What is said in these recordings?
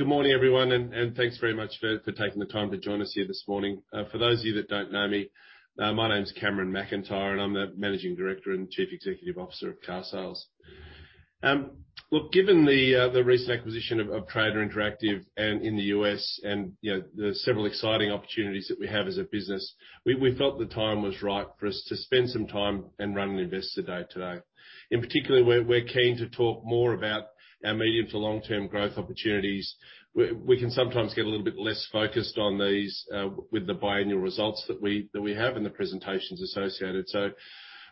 Good morning, everyone, and thanks very much for taking the time to join us here this morning. For those of you that don't know me, my name's Cameron McIntyre, and I'm the Managing Director and Chief Executive Officer of carsales. Look, given the recent acquisition of Trader Interactive in the US and, you know, the several exciting opportunities that we have as a business, we felt the time was right for us to spend some time and run an investor day today. In particular, we're keen to talk more about our medium to long-term growth opportunities. We can sometimes get a little bit less focused on these with the biannual results that we have and the presentations associated.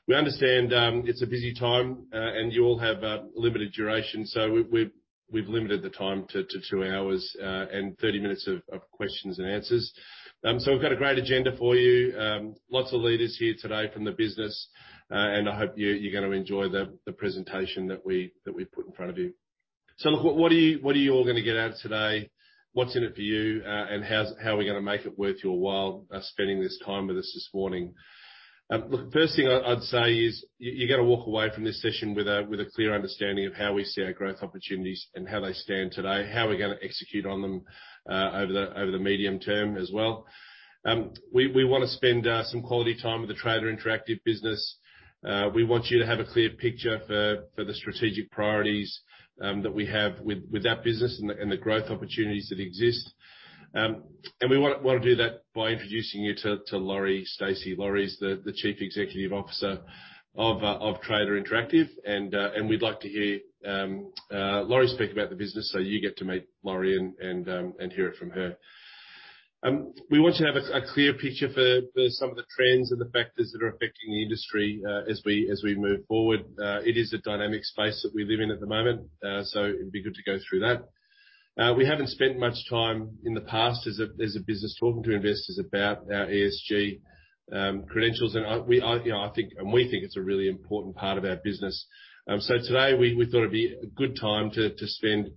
We understand, it's a busy time, and you all have a limited duration, so we've limited the time to two hours and 30 minutes of questions and answers. We've got a great agenda for you. Lots of leaders here today from the business, and I hope you're gonna enjoy the presentation that we've put in front of you. Look, what are you all gonna get out of today? What's in it for you? How are we gonna make it worth your while, spending this time with us this morning? Look, first thing I'd say is you're gonna walk away from this session with a clear understanding of how we see our growth opportunities and how they stand today, how we're gonna execute on them over the medium term as well. We wanna spend some quality time with the Trader Interactive business. We want you to have a clear picture for the strategic priorities that we have with that business and the growth opportunities that exist. We wanna do that by introducing you to Lori Stacy. Lori's the Chief Executive Officer of Trader Interactive. We'd like to hear Lori speak about the business. You get to meet Lori and hear it from her. We want you to have a clear picture for some of the trends and the factors that are affecting the industry as we move forward. It is a dynamic space that we live in at the moment, so it'd be good to go through that. We haven't spent much time in the past as a business talking to investors about our ESG credentials. You know, we think it's a really important part of our business. Today we thought it'd be a good time to spend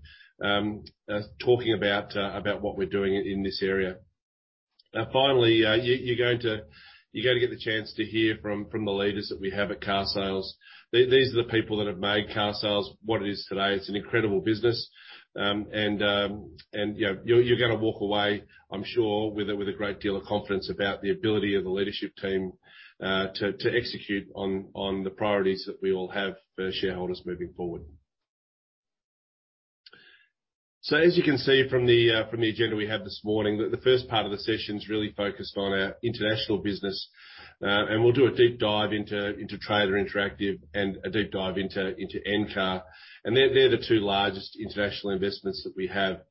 talking about what we're doing in this area. Now, finally, you're going to get the chance to hear from the leaders that we have at carsales. These are the people that have made carsales what it is today. It's an incredible business. You know, you're gonna walk away, I'm sure with a great deal of confidence about the ability of the leadership team to execute on the priorities that we all have for shareholders moving forward. As you can see from the agenda we have this morning, the first part of the session's really focused on our international business. We'll do a deep dive into Trader Interactive and a deep dive into Encar. They're the two largest international investments that we have.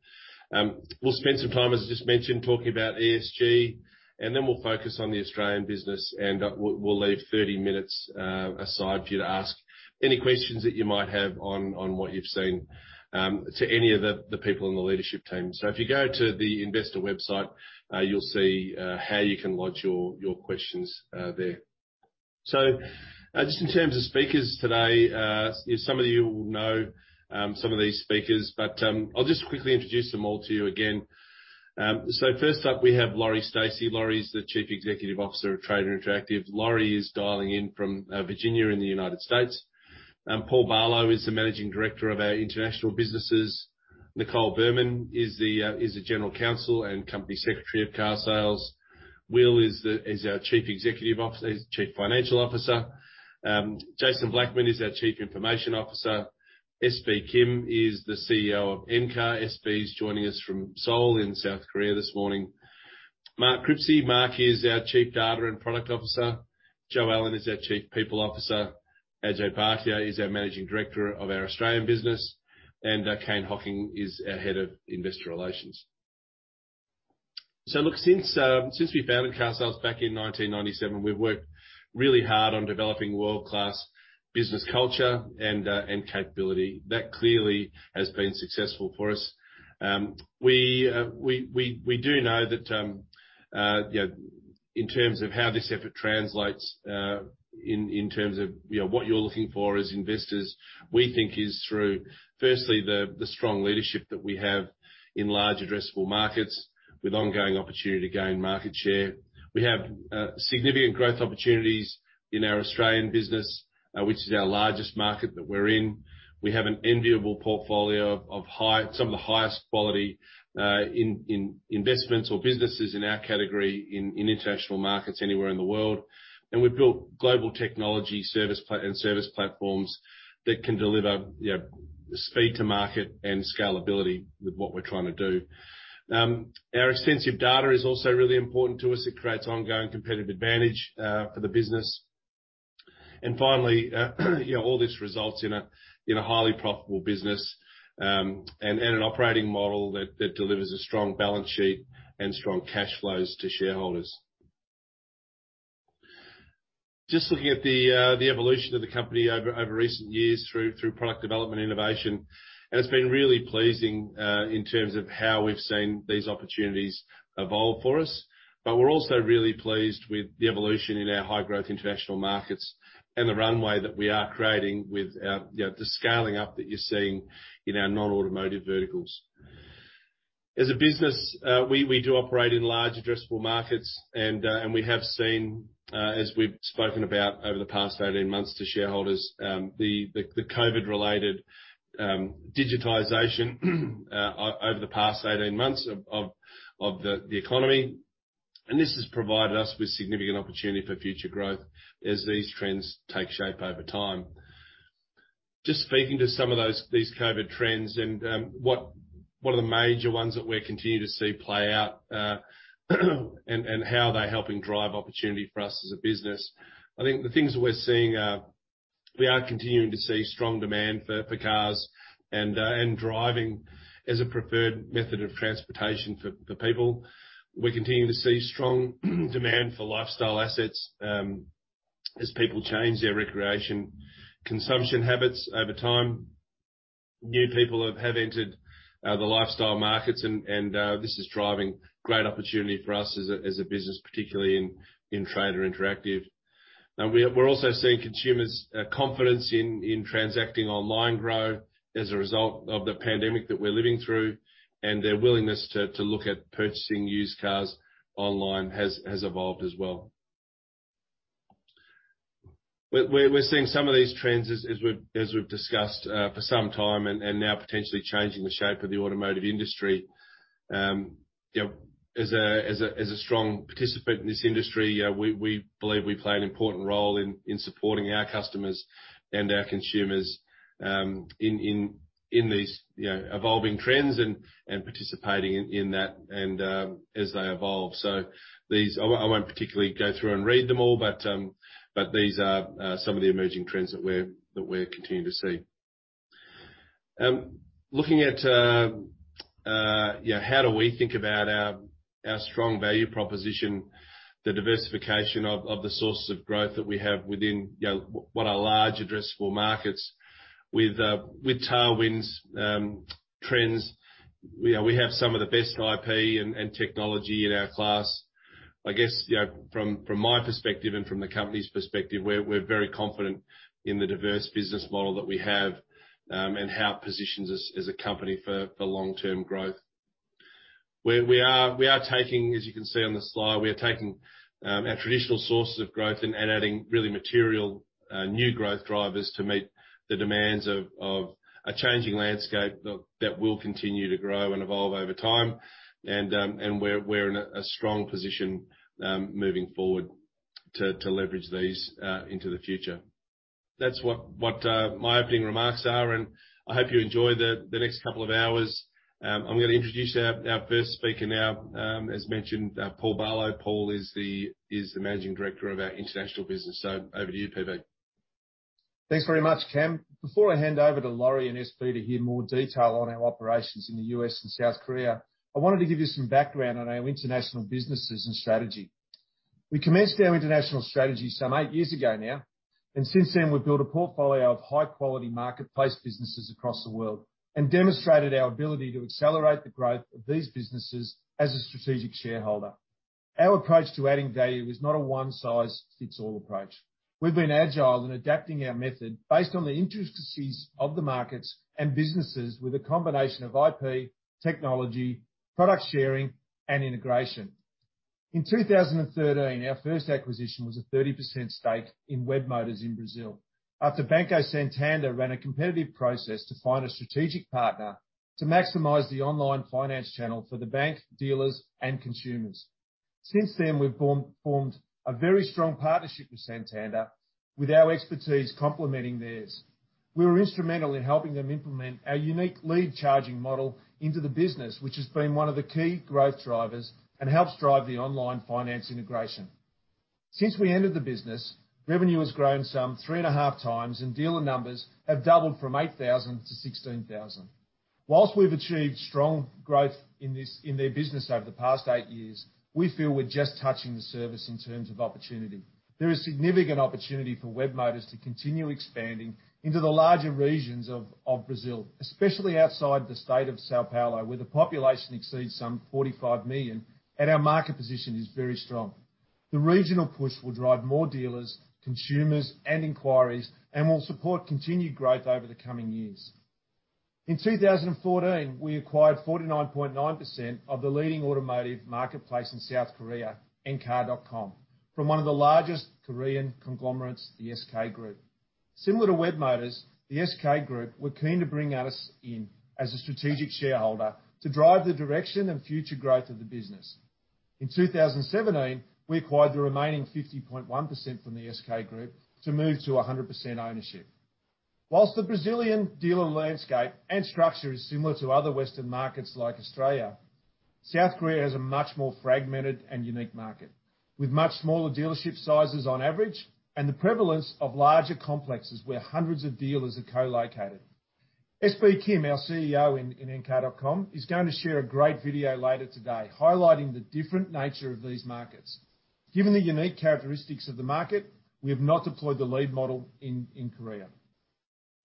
We'll spend some time, as I just mentioned, talking about ESG, and then we'll focus on the Australian business, and we'll leave 30 minutes aside for you to ask any questions that you might have on what you've seen to any of the people on the leadership team. If you go to the investor website, you'll see how you can lodge your questions there. Just in terms of speakers today, some of you will know some of these speakers, but I'll just quickly introduce them all to you again. First up, we have Lori Stacy. Lori's the Chief Executive Officer of Trader Interactive. Lori is dialing in from Virginia in the United States. Paul Barlow is the Managing Director of our International Businesses. Nicole Birman is the General Counsel and Company Secretary of carsales. Will is our Chief Financial Officer. Jason Blackman is our Chief Information Officer. SB Kim is the CEO of Encar. SB's joining us from Seoul in South Korea this morning. Mark Cripsey. Mark is our Chief Data and Product Officer. Jo Allan is our Chief People Officer. Ajay Bhatia is our Managing Director of our Australian business. Kane Hocking is our Head of Investor Relations. Look, since we founded carsales back in 1997, we've worked really hard on developing world-class business culture and capability. That clearly has been successful for us. We do know that, you know, in terms of how this effort translates, in terms of, you know, what you're looking for as investors, we think is through, firstly, the strong leadership that we have in large addressable markets with ongoing opportunity to gain market share. We have significant growth opportunities in our Australian business, which is our largest market that we're in. We have an enviable portfolio of some of the highest quality, in investments or businesses in our category in international markets anywhere in the world. We've built global technology and service platforms that can deliver, you know, speed to market and scalability with what we're trying to do. Our extensive data is also really important to us. It creates ongoing competitive advantage for the business. Finally, you know, all this results in a highly profitable business, and an operating model that delivers a strong balance sheet and strong cash flows to shareholders. Just looking at the evolution of the company over recent years through product development innovation, and it's been really pleasing in terms of how we've seen these opportunities evolve for us. We're also really pleased with the evolution in our high-growth international markets and the runway that we are creating with our, you know, the scaling up that you're seeing in our non-automotive verticals. As a business, we do operate in large addressable markets, and we have seen, as we've spoken about over the past 18 months to shareholders, the COVID-related digitization over the past 18 months of the economy. This has provided us with significant opportunity for future growth as these trends take shape over time. Just speaking to some of these COVID trends and what one of the major ones that we continue to see play out, and how they're helping drive opportunity for us as a business. I think the things that we're seeing, we are continuing to see strong demand for cars and driving as a preferred method of transportation for people. We're continuing to see strong demand for lifestyle assets, as people change their recreation consumption habits over time. New people have entered the lifestyle markets and this is driving great opportunity for us as a business, particularly in Trader Interactive. Now we're also seeing consumers' confidence in transacting online grow as a result of the pandemic that we're living through, and their willingness to look at purchasing used cars online has evolved as well. We're seeing some of these trends as we've discussed for some time, and now potentially changing the shape of the automotive industry. You know, as a strong participant in this industry, we believe we play an important role in supporting our customers and our consumers in these, you know, evolving trends and participating in that and as they evolve. I won't particularly go through and read them all, but these are some of the emerging trends that we're continuing to see. Looking at, you know, how do we think about our strong value proposition, the diversification of the sources of growth that we have within, you know, one of the large addressable markets with tailwinds, trends. You know, we have some of the best IP and technology in our class. I guess, you know, from my perspective and from the company's perspective, we're very confident in the diverse business model that we have, and how it positions us as a company for long-term growth. We are taking, as you can see on the slide, our traditional sources of growth and adding really material new growth drivers to meet the demands of a changing landscape that will continue to grow and evolve over time. We're in a strong position moving forward to leverage these into the future. That's what my opening remarks are, and I hope you enjoy the next couple of hours. I'm gonna introduce our first speaker now, as mentioned, Paul Barlow. Paul is the Managing Director of our international business. Over to you, PB. Thanks very much, Cam. Before I hand over to Lori and SB to hear more detail on our operations in the U.S. and South Korea, I wanted to give you some background on our international businesses and strategy. We commenced our international strategy some eight years ago now, and since then, we've built a portfolio of high-quality marketplace businesses across the world and demonstrated our ability to accelerate the growth of these businesses as a strategic shareholder. Our approach to adding value is not a one-size-fits-all approach. We've been agile in adapting our method based on the intricacies of the markets and businesses with a combination of IP, technology, product sharing, and integration. In 2013, our first acquisition was a 30% stake in webmotors in Brazil, after Banco Santander ran a competitive process to find a strategic partner to maximize the online finance channel for the bank, dealers, and consumers. Since then, we've formed a very strong partnership with Santander, with our expertise complementing theirs. We were instrumental in helping them implement our unique lead charging model into the business, which has been one of the key growth drivers and helps drive the online finance integration. Since we entered the business, revenue has grown some 3.5 times, and dealer numbers have doubled from 8,000 to 16,000. While we've achieved strong growth in their business over the past eight years, we feel we're just touching the surface in terms of opportunity. There is significant opportunity for webmotors to continue expanding into the larger regions of Brazil, especially outside the state of São Paulo, where the population exceeds 45 million, and our market position is very strong. The regional push will drive more dealers, consumers, and inquiries, and will support continued growth over the coming years. In 2014, we acquired 49.9% of the leading automotive marketplace in South Korea, encar.com, from one of the largest Korean conglomerates, the SK Group. Similar to webmotors, the SK Group were keen to bring us in as a strategic shareholder to drive the direction and future growth of the business. In 2017, we acquired the remaining 50.1% from the SK Group to move to 100% ownership. While the Brazilian dealer landscape and structure is similar to other Western markets like Australia, South Korea has a much more fragmented and unique market, with much smaller dealership sizes on average and the prevalence of larger complexes where hundreds of dealers are co-located. SB Kim, our CEO in Encar.com, is going to share a great video later today highlighting the different nature of these markets. Given the unique characteristics of the market, we have not deployed the lead model in Korea.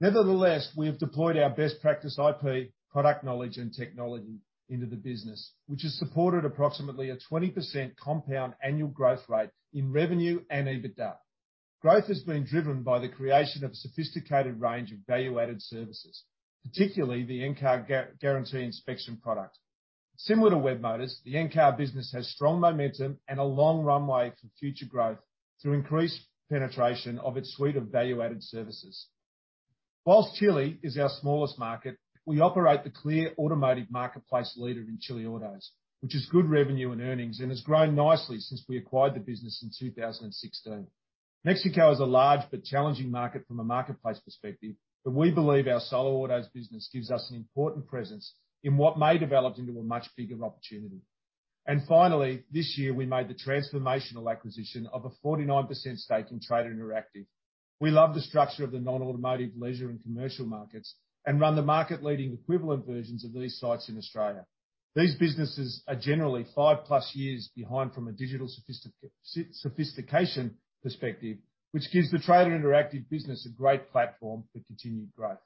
Nevertheless, we have deployed our best practice IP, product knowledge, and technology into the business, which has supported approximately a 20% compound annual growth rate in revenue and EBITDA. Growth has been driven by the creation of a sophisticated range of value-added services, particularly the Encar Guarantee inspection product. Similar to webmotors, the Encar business has strong momentum and a long runway for future growth through increased penetration of its suite of value-added services. While Chile is our smallest market, we operate the clear automotive marketplace leader in Chileautos, which is good revenue and earnings and has grown nicely since we acquired the business in 2016. Mexico is a large but challenging market from a marketplace perspective, but we believe our Soloautos business gives us an important presence in what may develop into a much bigger opportunity. Finally, this year, we made the transformational acquisition of a 49% stake in Trader Interactive. We love the structure of the non-automotive leisure and commercial markets and run the market-leading equivalent versions of these sites in Australia. These businesses are generally five-plus years behind from a digital sophistication perspective, which gives the Trader Interactive business a great platform for continued growth.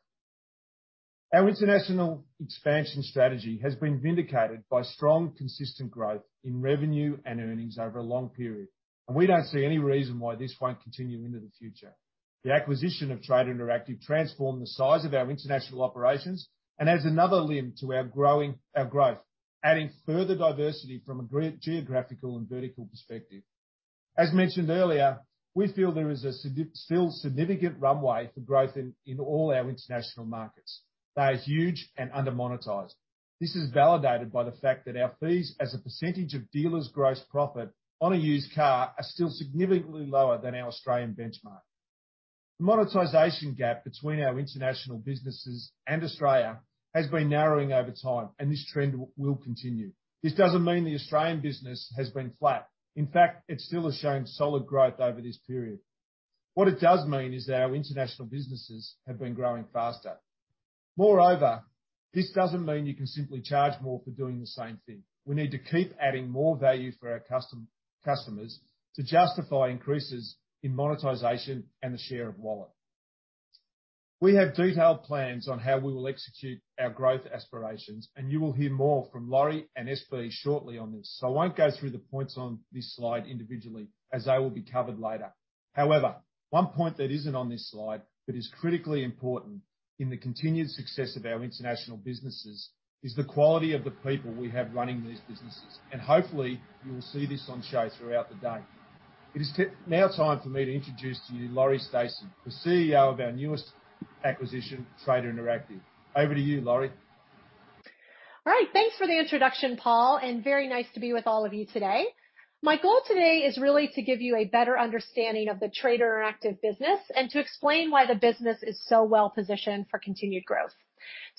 Our international expansion strategy has been vindicated by strong, consistent growth in revenue and earnings over a long period, and we don't see any reason why this won't continue into the future. The acquisition of Trader Interactive transformed the size of our international operations and adds another limb to our growth, adding further diversity from a geographical and vertical perspective. As mentioned earlier, we feel there is still significant runway for growth in all our international markets that is huge and under-monetized. This is validated by the fact that our fees as a percentage of dealers' gross profit on a used car are still significantly lower than our Australian benchmark. The monetization gap between our international businesses and Australia has been narrowing over time, and this trend will continue. This doesn't mean the Australian business has been flat. In fact, it still has shown solid growth over this period. What it does mean is that our international businesses have been growing faster. Moreover, this doesn't mean you can simply charge more for doing the same thing. We need to keep adding more value for our customers to justify increases in monetization and the share of wallet. We have detailed plans on how we will execute our growth aspirations, and you will hear more from Lori and SB shortly on this, so I won't go through the points on this slide individually as they will be covered later. However, one point that isn't on this slide, but is critically important in the continued success of our international businesses, is the quality of the people we have running these businesses. Hopefully, you will see this on show throughout the day. It's now time for me to introduce to you Lori Stacy, the CEO of our newest acquisition, Trader Interactive. Over to you, Lori. All right. Thanks for the introduction, Paul, and very nice to be with all of you today. My goal today is really to give you a better understanding of the Trader Interactive business and to explain why the business is so well positioned for continued growth.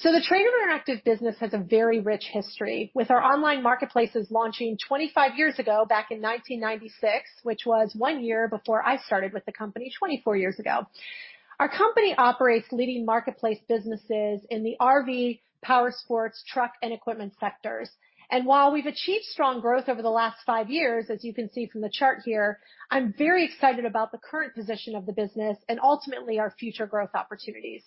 The Trader Interactive business has a very rich history, with our online marketplaces launching 25 years ago, back in 1996, which was one year before I started with the company 24 years ago. Our company operates leading marketplace businesses in the RV, powersports, truck, and equipment sectors. While we've achieved strong growth over the last five years, as you can see from the chart here, I'm very excited about the current position of the business and ultimately our future growth opportunities.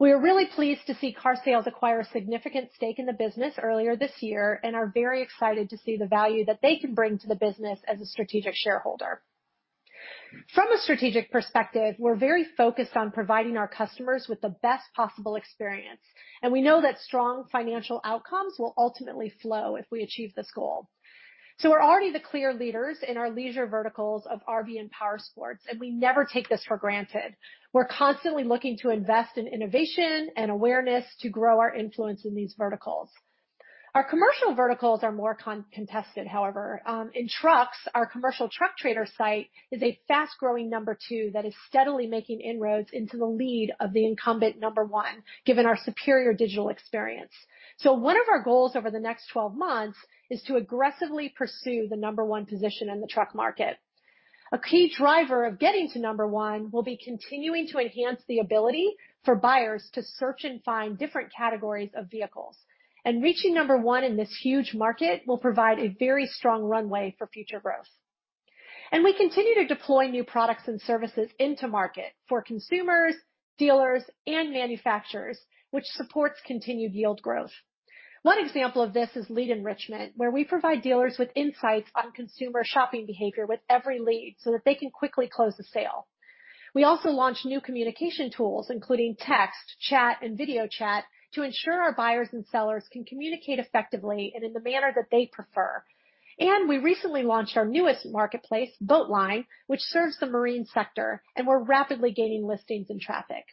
We are really pleased to see carsales acquire a significant stake in the business earlier this year and are very excited to see the value that they can bring to the business as a strategic shareholder. From a strategic perspective, we're very focused on providing our customers with the best possible experience, and we know that strong financial outcomes will ultimately flow if we achieve this goal. We're already the clear leaders in our leisure verticals of RV and powersports, and we never take this for granted. We're constantly looking to invest in innovation and awareness to grow our influence in these verticals. Our commercial verticals are more contested, however. In trucks, our Commercial Truck Trader site is a fast-growing number two that is steadily making inroads into the lead of the incumbent number one, given our superior digital experience. One of our goals over the next 12 months is to aggressively pursue the number one position in the truck market. A key driver of getting to number one will be continuing to enhance the ability for buyers to search and find different categories of vehicles. Reaching number one in this huge market will provide a very strong runway for future growth. We continue to deploy new products and services into market for consumers, dealers, and manufacturers, which supports continued yield growth. One example of this is lead enrichment, where we provide dealers with insights on consumer shopping behavior with every lead so that they can quickly close the sale. We also launch new communication tools, including text, chat, and video chat, to ensure our buyers and sellers can communicate effectively and in the manner that they prefer. We recently launched our newest marketplace, Boatline, which serves the marine sector, and we're rapidly gaining listings and traffic.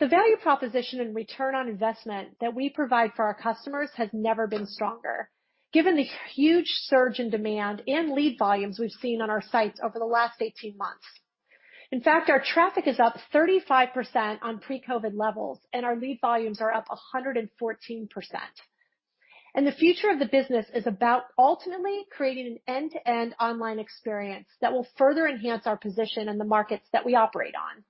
The value proposition and return on investment that we provide for our customers has never been stronger, given the huge surge in demand and lead volumes we've seen on our sites over the last 18 months. In fact, our traffic is up 35% on pre-COVID levels, and our lead volumes are up 114%. The future of the business is about ultimately creating an end-to-end online experience that will further enhance our position in the markets that we operate on.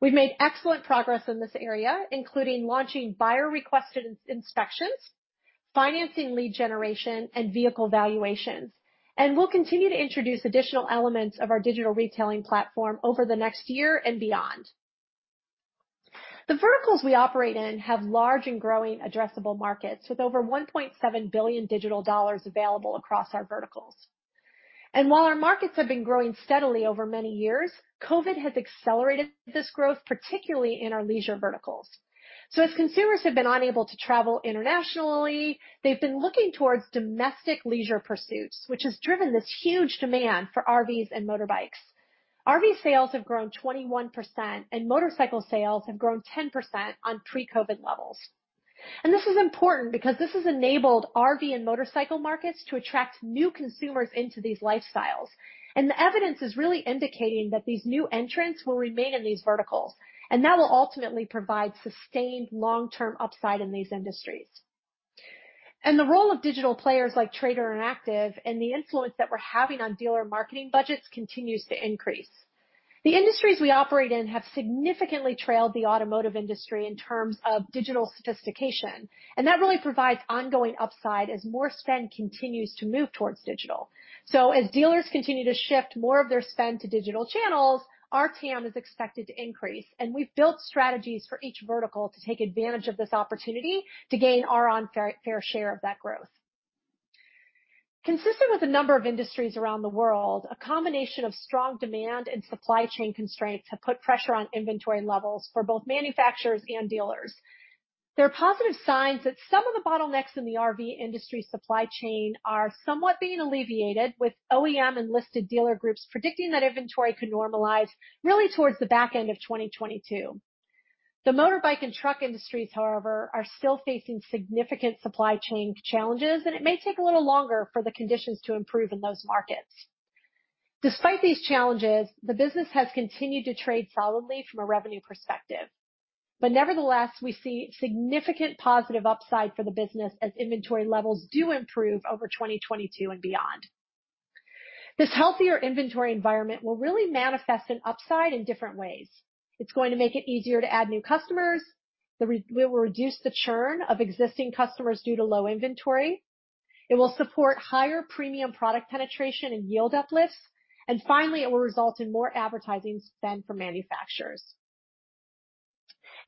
We've made excellent progress in this area, including launching buyer-requested inspections, financing lead generation, and vehicle valuations. We'll continue to introduce additional elements of our digital retailing platform over the next year and beyond. The verticals we operate in have large and growing addressable markets with over 1.7 billion digital dollars available across our verticals. While our markets have been growing steadily over many years, COVID has accelerated this growth, particularly in our leisure verticals. As consumers have been unable to travel internationally, they've been looking towards domestic leisure pursuits, which has driven this huge demand for RVs and motorcycles. RV sales have grown 21%, and motorcycle sales have grown 10% on pre-COVID levels. This is important because this has enabled RV and motorcycle markets to attract new consumers into these lifestyles. The evidence is really indicating that these new entrants will remain in these verticals, and that will ultimately provide sustained long-term upside in these industries. The role of digital players like Trader Interactive and the influence that we're having on dealer marketing budgets continues to increase. The industries we operate in have significantly trailed the automotive industry in terms of digital sophistication, and that really provides ongoing upside as more spend continues to move towards digital. As dealers continue to shift more of their spend to digital channels, our TAM is expected to increase, and we've built strategies for each vertical to take advantage of this opportunity to gain our own fair share of that growth. Consistent with a number of industries around the world, a combination of strong demand and supply chain constraints have put pressure on inventory levels for both manufacturers and dealers. There are positive signs that some of the bottlenecks in the RV industry supply chain are somewhat being alleviated, with OEM and listed dealer groups predicting that inventory could normalize really towards the back end of 2022. The motorbike and truck industries, however, are still facing significant supply chain challenges, and it may take a little longer for the conditions to improve in those markets. Despite these challenges, the business has continued to trade solidly from a revenue perspective. Nevertheless, we see significant positive upside for the business as inventory levels do improve over 2022 and beyond. This healthier inventory environment will really manifest an upside in different ways. It's going to make it easier to add new customers. We will reduce the churn of existing customers due to low inventory. It will support higher premium product penetration and yield uplifts. Finally, it will result in more advertising spend for manufacturers.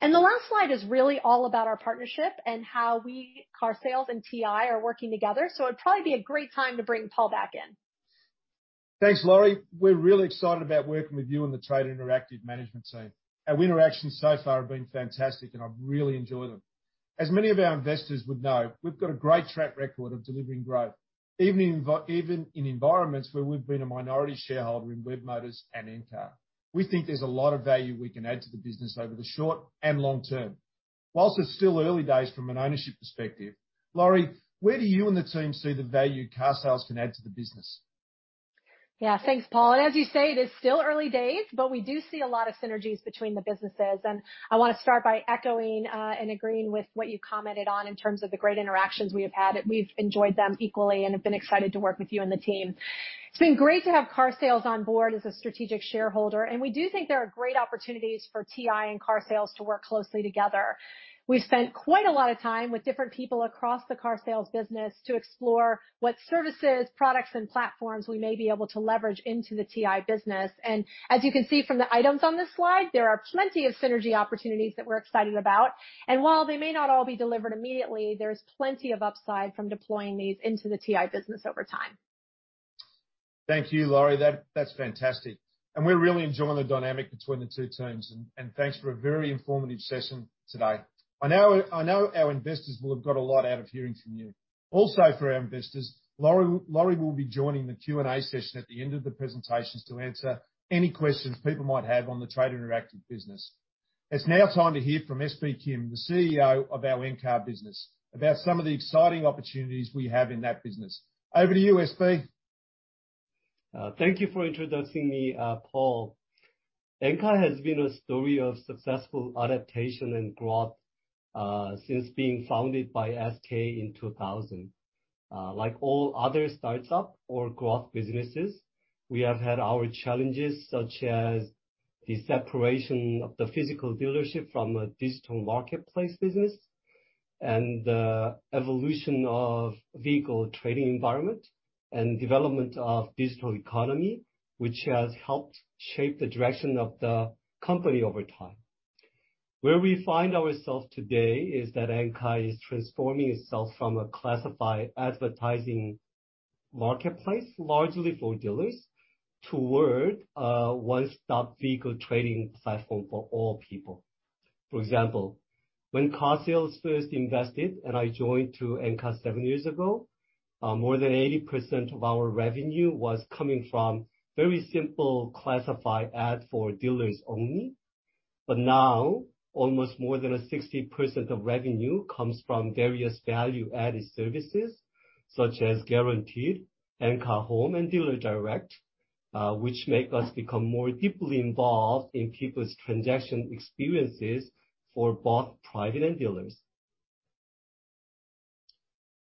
The last slide is really all about our partnership and how we, carsales and TI are working together, so it'd probably be a great time to bring Paul back in. Thanks, Lori. We're really excited about working with you and the Trader Interactive management team. Our interactions so far have been fantastic, and I've really enjoyed them. As many of our investors would know, we've got a great track record of delivering growth, even in environments where we've been a minority shareholder in webmotors and Encar. We think there's a lot of value we can add to the business over the short and long term. While it's still early days from an ownership perspective, Lori, where do you and the team see the value carsales can add to the business? Yeah. Thanks, Paul. As you say, it is still early days, but we do see a lot of synergies between the businesses. I wanna start by echoing and agreeing with what you commented on in terms of the great interactions we have had. We've enjoyed them equally and have been excited to work with you and the team. It's been great to have carsales on board as a strategic shareholder, and we do think there are great opportunities for TI and carsales to work closely together. We've spent quite a lot of time with different people across the carsales business to explore what services, products, and platforms we may be able to leverage into the TI business. As you can see from the items on this slide, there are plenty of synergy opportunities that we're excited about. While they may not all be delivered immediately, there is plenty of upside from deploying these into the TI business over time. Thank you, Lori. That's fantastic. We're really enjoying the dynamic between the two teams. Thanks for a very informative session today. I know our investors will have got a lot out of hearing from you. Also, for our investors, Lori will be joining the Q&A session at the end of the presentations to answer any questions people might have on the Trader Interactive business. It's now time to hear from SB Kim, the CEO of our Encar business, about some of the exciting opportunities we have in that business. Over to you, SB. Thank you for introducing me, Paul. Encar has been a story of successful adaptation and growth since being founded by SK in 2000. Like all other startup or growth businesses, we have had our challenges, such as the separation of the physical dealership from a digital marketplace business and evolution of vehicle trading environment and development of digital economy, which has helped shape the direction of the company over time. Where we find ourselves today is that Encar is transforming itself from a classified advertising marketplace, largely for dealers, toward a one-stop vehicle trading platform for all people. For example, when carsales first invested and I joined Encar seven years ago, more than 80% of our revenue was coming from very simple classified ad for dealers only. Now almost more than 60% of revenue comes from various value-added services such as Guarantee, Encar Home, and Dealer Direct, which make us become more deeply involved in people's transaction experiences for both private and dealers.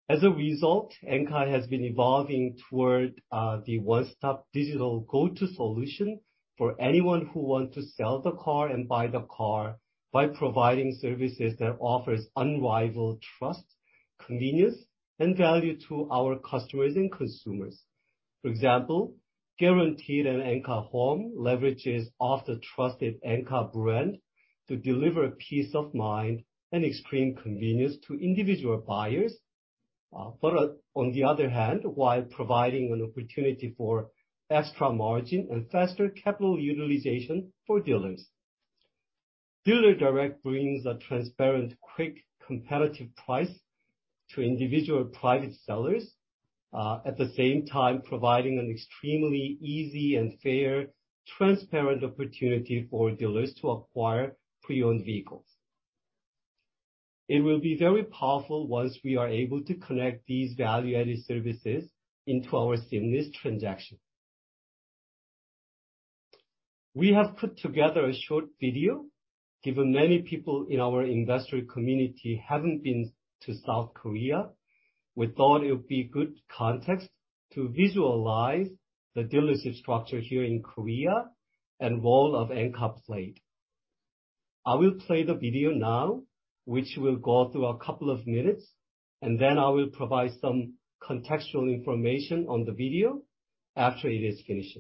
As a result, Encar has been evolving toward the one-stop digital go-to solution for anyone who want to sell the car and buy the car by providing services that offers unrivaled trust, convenience and value to our customers and consumers. For example, Guarantee and Encar Home leverages off the trusted Encar brand to deliver peace of mind and extreme convenience to individual buyers. On the other hand, while providing an opportunity for extra margin and faster capital utilization for dealers. Dealer Direct brings a transparent, quick, competitive price to individual private sellers, at the same time providing an extremely easy and fair, transparent opportunity for dealers to acquire pre-owned vehicles. It will be very powerful once we are able to connect these value-added services into our seamless transaction. We have put together a short video. Given many people in our investor community haven't been to South Korea, we thought it would be good context to visualize the dealership structure here in Korea and role of Encar played. I will play the video now, which will go through a couple of minutes, and then I will provide some contextual information on the video after it is finished.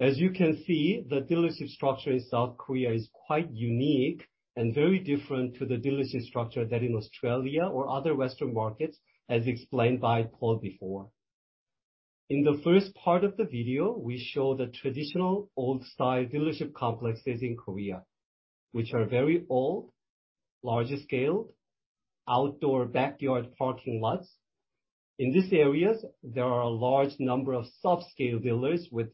As you can see, the dealership structure in South Korea is quite unique and very different to the dealership structure in Australia or other Western markets, as explained by Paul before. In the first part of the video, we show the traditional old style dealership complexes in Korea, which are very old, larger scaled, outdoor backyard parking lots. In these areas, there are a large number of subscale dealers with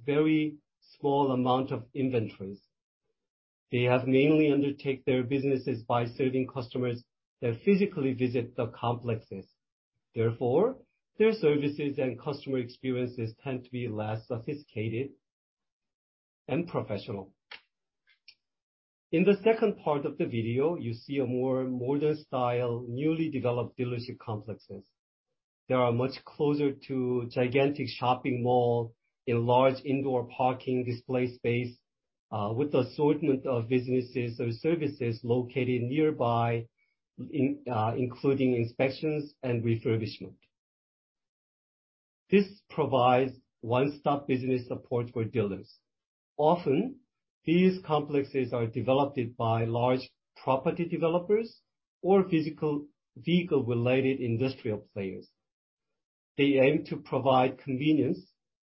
very small amount of inventories. They have mainly undertake their businesses by serving customers that physically visit the complexes. Therefore, their services and customer experiences tend to be less sophisticated and professional. In the second part of the video, you see a more modern style, newly developed dealership complexes. They are much closer to gigantic shopping mall in large indoor parking display space, with assortment of businesses or services located nearby, including inspections and refurbishment. This provides one-stop business support for dealers. Often, these complexes are developed by large property developers or physical vehicle-related industrial players. They aim to provide convenience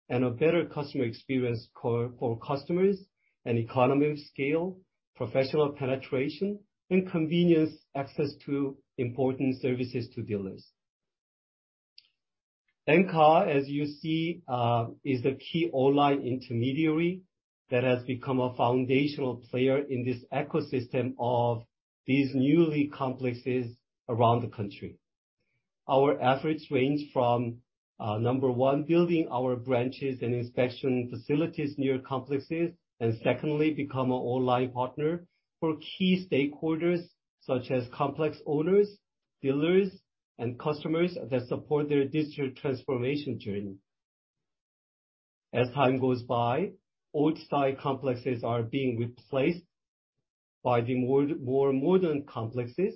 and a better customer experience for customers and economy of scale, professional penetration and convenience access to important services to dealers. Encar, as you see, is the key online intermediary that has become a foundational player in this ecosystem of these new complexes around the country. Our efforts range from, number one, building our branches and inspection facilities near complexes, and secondly, become an online partner for key stakeholders such as complex owners, dealers, and customers that support their digital transformation journey. As time goes by, old-style complexes are being replaced by the more modern complexes.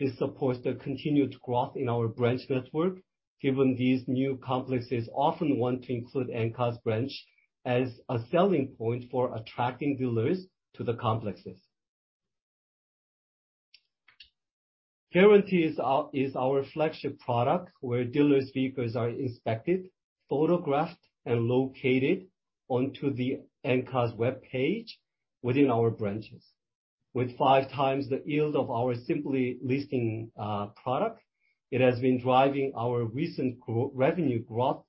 This supports the continued growth in our branch network, given these new complexes often want to include Encar's branch as a selling point for attracting dealers to the complexes. Guarantee is our flagship product, where dealers' vehicles are inspected, photographed, and listed onto the Encar's webpage within our branches. With five times the yield of our simple listing product, it has been driving our recent revenue growth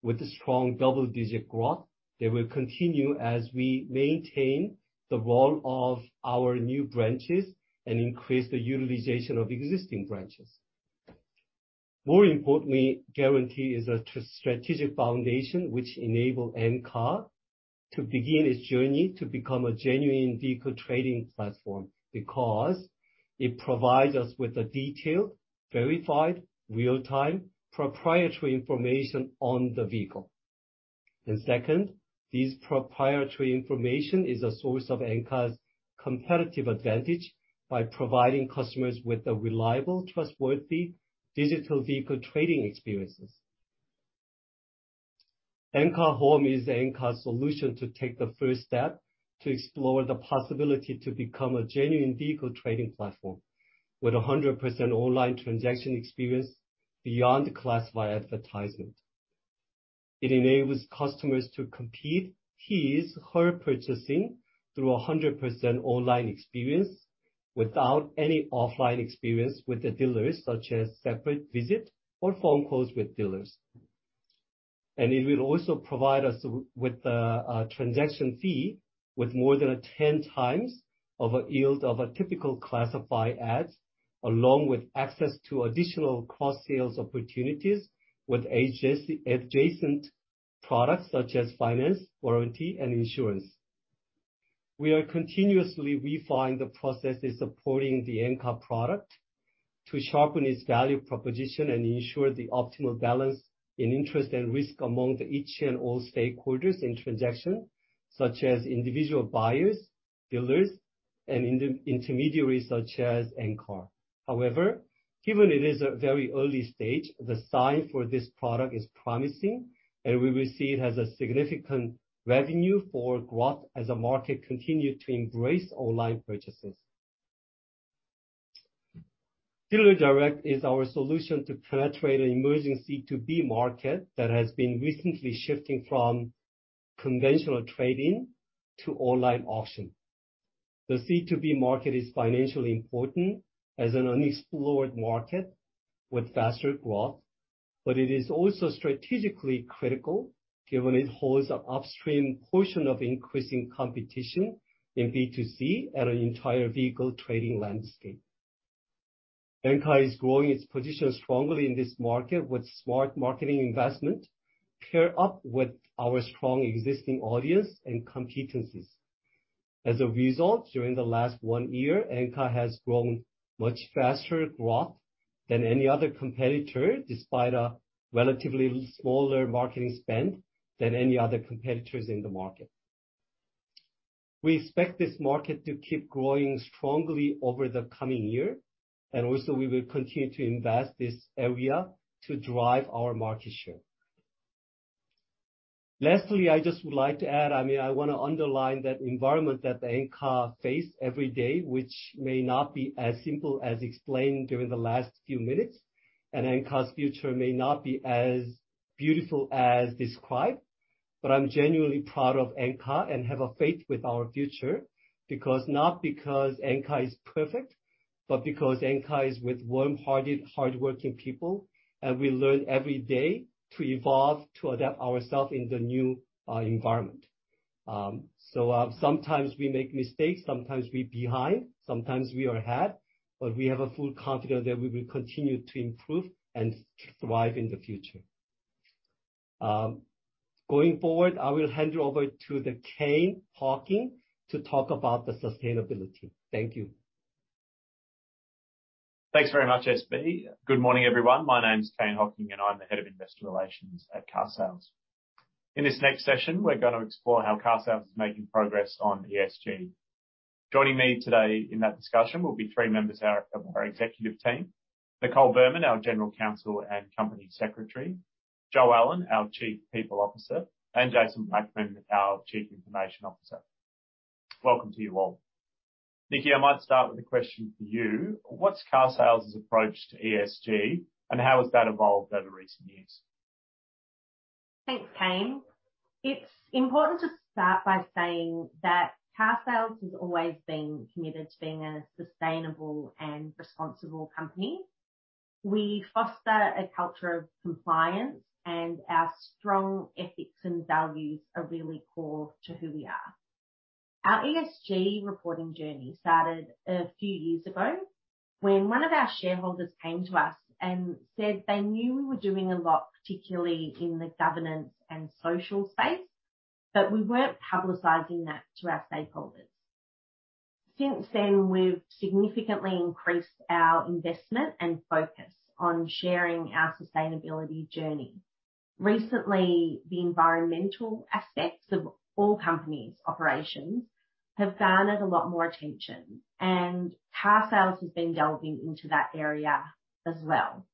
with a strong double-digit growth. It will continue as we maintain the rollout of our new branches and increase the utilization of existing branches. More importantly, Guarantee is a strategic foundation which enable Encar to begin its journey to become a genuine vehicle trading platform, because it provides us with a detailed, verified, real-time, proprietary information on the vehicle. Second, this proprietary information is a source of Encar's competitive advantage by providing customers with a reliable, trustworthy digital vehicle trading experiences. Encar Home is the Encar solution to take the first step to explore the possibility to become a genuine vehicle trading platform, with 100% online transaction experience beyond classified advertisement. It enables customers to complete his/her purchasing through 100% online experience without any offline experience with the dealers, such as separate visit or phone calls with dealers. It will also provide us with the transaction fee with more than 10 times of a yield of a typical classified ads, along with access to additional cross-sales opportunities with adjacent products such as finance, warranty, and insurance. We are continuously refining the processes supporting the Encar product to sharpen its value proposition and ensure the optimal balance in interest and risk among each and all stakeholders in transaction, such as individual buyers, dealers, and intermediaries such as Encar. However, given it is a very early stage, the signs for this product are promising, and we will see it has significant revenue growth as the market continues to embrace online purchases. Dealer Direct is our solution to penetrate an emerging C2B market that has been recently shifting from conventional trading to online auctions. The C2B market is financially important as an unexplored market with faster growth, but it is also strategically critical, given it holds an upstream portion of increasing competition in B2C in the entire vehicle trading landscape. Encar is growing its position strongly in this market with smart marketing investment, paired with our strong existing audience and competencies. As a result, during the last one year, Encar has grown much faster than any other competitor, despite a relatively smaller marketing spend than any other competitors in the market. We expect this market to keep growing strongly over the coming year, and also we will continue to invest this area to drive our market share. Lastly, I just would like to add, I mean, I wanna underline that environment that the Encar face every day, which may not be as simple as explained during the last few minutes. Encar's future may not be as beautiful as described, but I'm genuinely proud of Encar and have a faith with our future because, not because Encar is perfect, but because Encar is with warm-hearted, hardworking people, and we learn every day to evolve, to adapt ourself in the new environment. So, sometimes we make mistakes, sometimes we behind, sometimes we are ahead, but we have a full confidence that we will continue to improve and thrive in the future. Going forward, I will hand you over to Kane Hocking to talk about the sustainability. Thank you. Thanks very much, SB. Good morning, everyone. My name's Kane Hocking, and I'm the head of investor relations at carsales. In this next session, we're gonna explore how carsales is making progress on ESG. Joining me today in that discussion will be three members of our executive team. Nicole Birman, our General Counsel and Company Secretary. Jo Allan, our Chief People Officer, and Jason Blackman, our Chief Information Officer. Welcome to you all. Nikki, I might start with a question for you. What's carsales' approach to ESG, and how has that evolved over recent years? Thanks, Kane. It's important to start by saying that carsales has always been committed to being a sustainable and responsible company. We foster a culture of compliance, and our strong ethics and values are really core to who we are. Our ESG reporting journey started a few years ago when one of our shareholders came to us and said they knew we were doing a lot, particularly in the governance and social space, but we weren't publicizing that to our stakeholders. Since then, we've significantly increased our investment and focus on sharing our sustainability journey. Recently, the environmental aspects of all companies' operations have garnered a lot more attention, and carsales has been delving into that area as well.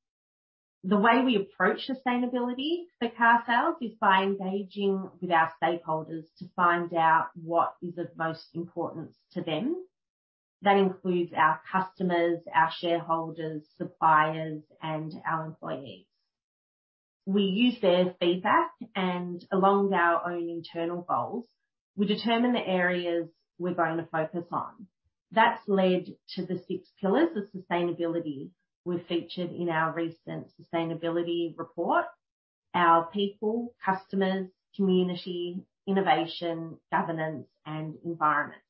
The way we approach sustainability for carsales is by engaging with our stakeholders to find out what is of most importance to them. That includes our customers, our shareholders, suppliers, and our employees. We use their feedback, and along with our own internal goals, we determine the areas we're going to focus on. That's led to the six pillars of sustainability we featured in our recent sustainability report. Our people, customers, community, innovation, governance, and environment.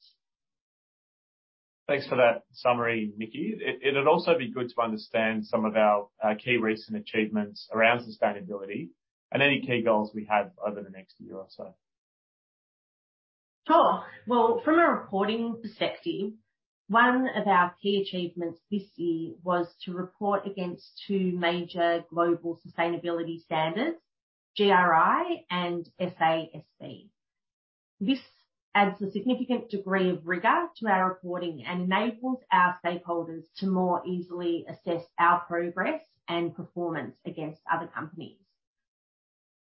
Thanks for that summary, Nikki. It would also be good to understand some of our key recent achievements around sustainability and any key goals we have over the next year or so. Sure. Well, from a reporting perspective, one of our key achievements this year was to report against two major global sustainability standards, GRI and SASB. This adds a significant degree of rigor to our reporting and enables our stakeholders to more easily assess our progress and performance against other companies.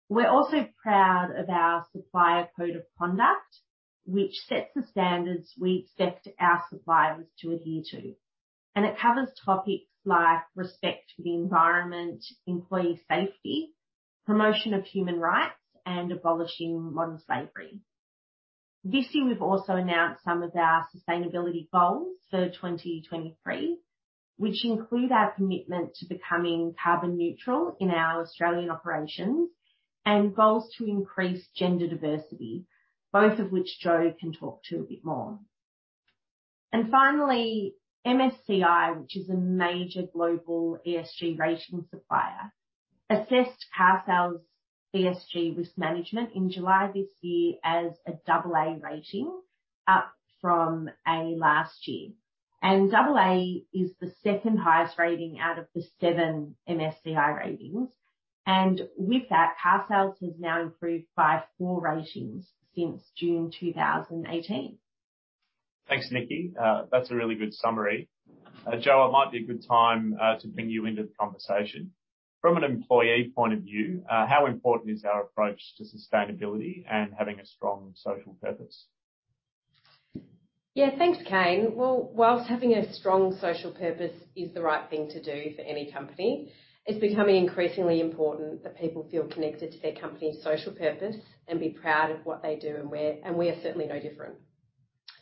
We're also proud of our supplier code of conduct, which sets the standards we expect our suppliers to adhere to. It covers topics like respect for the environment, employee safety, promotion of human rights, and abolishing modern slavery. This year, we've also announced some of our sustainability goals for 2023, which include our commitment to becoming carbon neutral in our Australian operations and goals to increase gender diversity, both of which Jo can talk to a bit more. Finally, MSCI, which is a major global ESG rating supplier, assessed carsales' ESG risk management in July this year as a double A rating, up from A last year. Double A is the second highest rating out of the seven MSCI ratings. With that, carsales has now improved by four ratings since June 2018. Thanks, Nikki. That's a really good summary. Jo, it might be a good time to bring you into the conversation. From an employee point of view, how important is our approach to sustainability and having a strong social purpose? Yeah. Thanks, Kane. Well, while having a strong social purpose is the right thing to do for any company, it's becoming increasingly important that people feel connected to their company's social purpose and be proud of what they do, and we are certainly no different.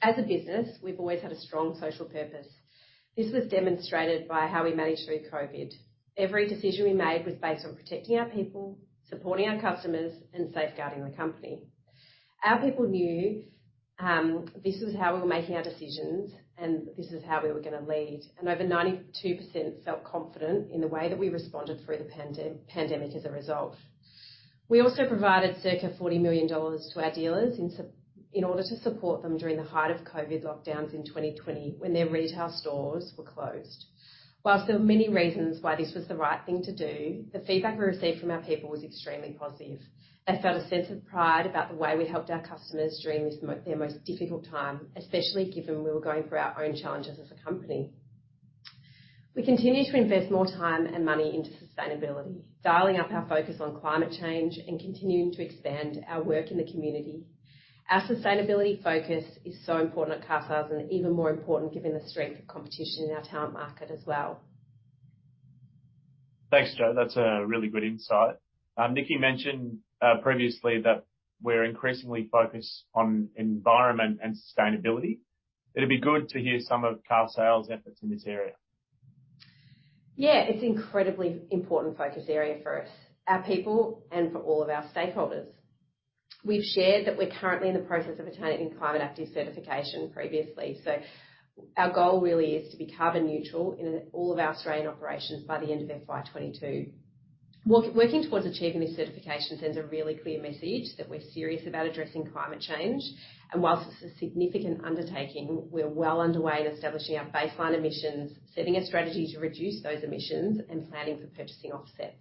As a business, we've always had a strong social purpose. This was demonstrated by how we managed through COVID. Every decision we made was based on protecting our people, supporting our customers, and safeguarding the company. Our people knew this was how we were making our decisions and this is how we were gonna lead, and over 92% felt confident in the way that we responded through the pandemic as a result. We also provided circa 40 million dollars to our dealers in sup... In order to support them during the height of COVID lockdowns in 2020 when their retail stores were closed. While there were many reasons why this was the right thing to do, the feedback we received from our people was extremely positive. They felt a sense of pride about the way we helped our customers during their most difficult time, especially given we were going through our own challenges as a company. We continue to invest more time and money into sustainability, dialing up our focus on climate change and continuing to expand our work in the community. Our sustainability focus is so important at carsales, and even more important given the strength of competition in our talent market as well. Thanks, Jo. That's a really good insight. Nikki mentioned previously that we're increasingly focused on environment and sustainability. It'd be good to hear some of carsales' efforts in this area. Yeah, it's incredibly important focus area for us, our people, and for all of our stakeholders. We've shared that we're currently in the process of attaining Climate Active certification previously. Our goal really is to be carbon neutral in all of our Australian operations by the end of FY 2022. Working towards achieving this certification sends a really clear message that we're serious about addressing climate change, and while this is a significant undertaking, we're well underway in establishing our baseline emissions, setting a strategy to reduce those emissions, and planning for purchasing offsets.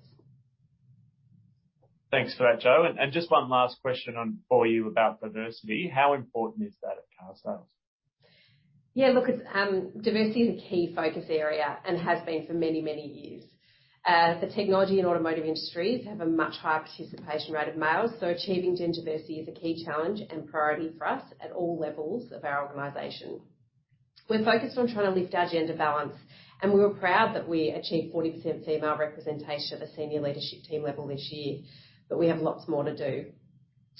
Thanks for that, Jo. Just one last question for you about diversity. How important is that at carsales? Yeah, look, diversity is a key focus area and has been for many, many years. The technology and automotive industries have a much higher participation rate of males, so achieving gender diversity is a key challenge and priority for us at all levels of our organization. We're focused on trying to lift our gender balance, and we're proud that we achieved 40% female representation at the senior leadership team level this year. We have lots more to do.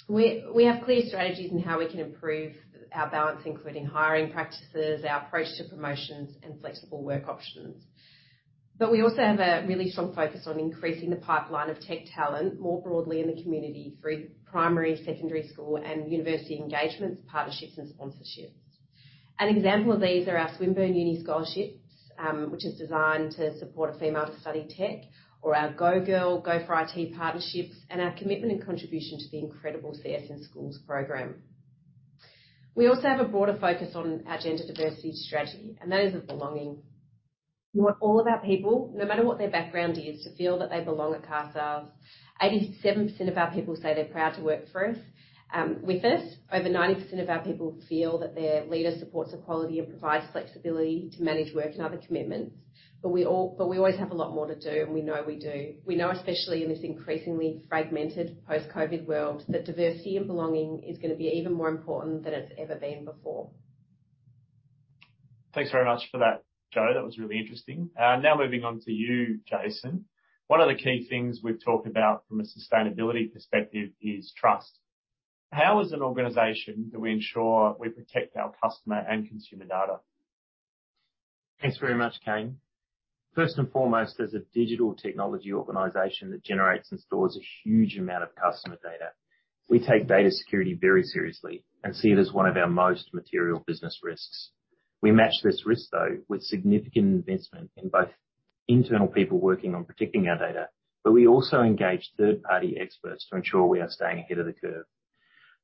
We have clear strategies in how we can improve our balance, including hiring practices, our approach to promotions, and flexible work options. We also have a really strong focus on increasing the pipeline of tech talent more broadly in the community through primary, secondary school, and university engagements, partnerships and sponsorships. An example of these are our Swinburne Uni scholarships, which is designed to support a female to study tech, or our Go Girl, Go for IT partnerships, and our commitment and contribution to the incredible CS in Schools program. We also have a broader focus on our gender diversity strategy, and that is of belonging. We want all of our people, no matter what their background is, to feel that they belong at carsales. 87% of our people say they're proud to work for us, with us. Over 90% of our people feel that their leader supports equality and provides flexibility to manage work and other commitments. We always have a lot more to do, and we know we do. We know, especially in this increasingly fragmented post-COVID world, that diversity and belonging is gonna be even more important than it's ever been before. Thanks very much for that, Jo. That was really interesting. Now moving on to you, Jason. One of the key things we've talked about from a sustainability perspective is trust. How, as an organization, do we ensure we protect our customer and consumer data? Thanks very much, Kane. First and foremost, as a digital technology organization that generates and stores a huge amount of customer data, we take data security very seriously and see it as one of our most material business risks. We match this risk, though, with significant investment in both internal people working on protecting our data, but we also engage third-party experts to ensure we are staying ahead of the curve.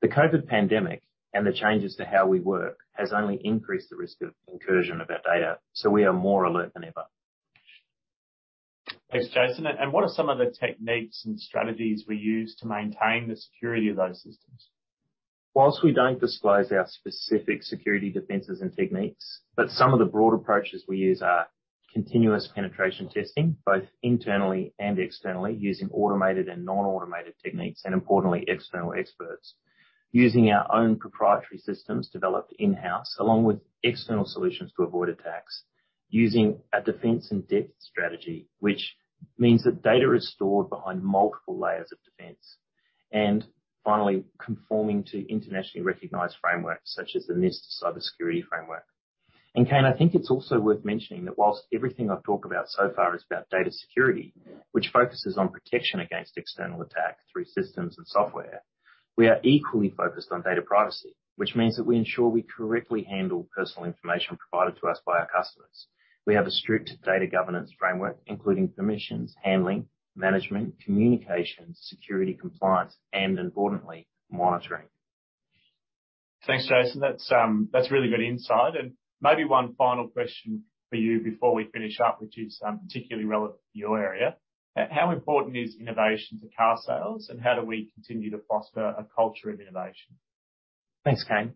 The COVID pandemic and the changes to how we work has only increased the risk of incursion of our data, so we are more alert than ever. Thanks, Jason. What are some of the techniques and strategies we use to maintain the security of those systems? While we don't disclose our specific security defenses and techniques, but some of the broad approaches we use are continuous penetration testing, both internally and externally, using automated and non-automated techniques, and importantly, external experts. We use our own proprietary systems developed in-house along with external solutions to avoid attacks. We use a defense in depth strategy, which means that data is stored behind multiple layers of defense. Finally, we conform to internationally recognized frameworks such as the NIST Cybersecurity Framework. Kane, I think it's also worth mentioning that while everything I've talked about so far is about data security, which focuses on protection against external attack through systems and software, we are equally focused on data privacy, which means that we ensure we correctly handle personal information provided to us by our customers. We have a strict data governance framework, including permissions handling, management, communication, security compliance, and importantly, monitoring. Thanks, Jason. That's really good insight. Maybe one final question for you before we finish up, which is particularly relevant to your area. How important is innovation to carsales, and how do we continue to foster a culture of innovation? Thanks, Kane.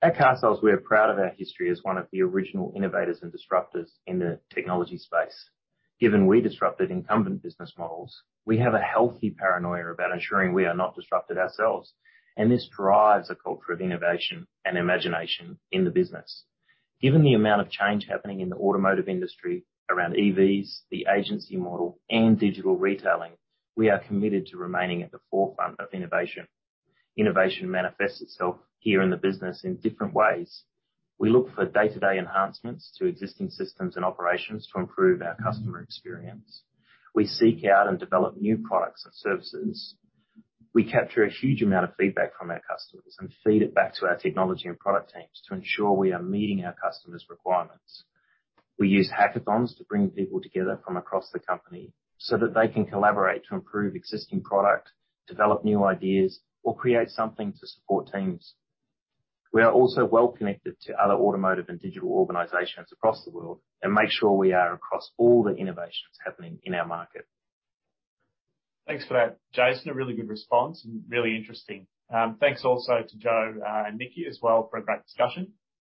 At carsales, we are proud of our history as one of the original innovators and disruptors in the technology space. Given we disrupted incumbent business models, we have a healthy paranoia about ensuring we are not disrupted ourselves, and this drives a culture of innovation and imagination in the business. Given the amount of change happening in the automotive industry around EVs, the agency model, and digital retailing, we are committed to remaining at the forefront of innovation. Innovation manifests itself here in the business in different ways. We look for day-to-day enhancements to existing systems and operations to improve our customer experience. We seek out and develop new products and services. We capture a huge amount of feedback from our customers and feed it back to our technology and product teams to ensure we are meeting our customers' requirements. We use hackathons to bring people together from across the company so that they can collaborate to improve existing product, develop new ideas, or create something to support teams. We are also well connected to other automotive and digital organizations across the world and make sure we are across all the innovations happening in our market. Thanks for that, Jason. A really good response and really interesting. Thanks also to Jo, and Nikki as well for a great discussion.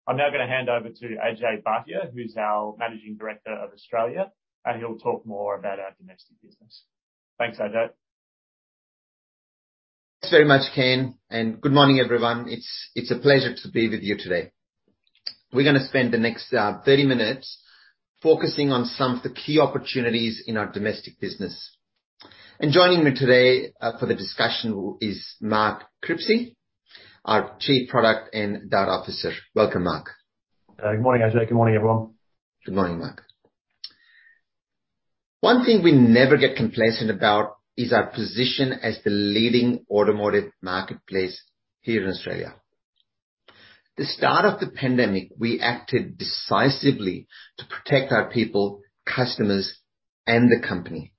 I'm now gonna hand over to Ajay Bhatia, who's our Managing Director, Australia, and he'll talk more about our domestic business. Thanks, Ajay. Thanks very much, Kane, and good morning, everyone. It's a pleasure to be with you today. We're gonna spend the next 30 minutes focusing on some of the key opportunities in our domestic business. Joining me today for the discussion is Mark Cripsey, our Chief Product and Data Officer. Welcome, Mark. Good morning, Ajay. Good morning, everyone. Good morning, Mark. One thing we never get complacent about is our position as the leading automotive marketplace here in Australia. The start of the pandemic, we acted decisively to protect our people, customers, and the company.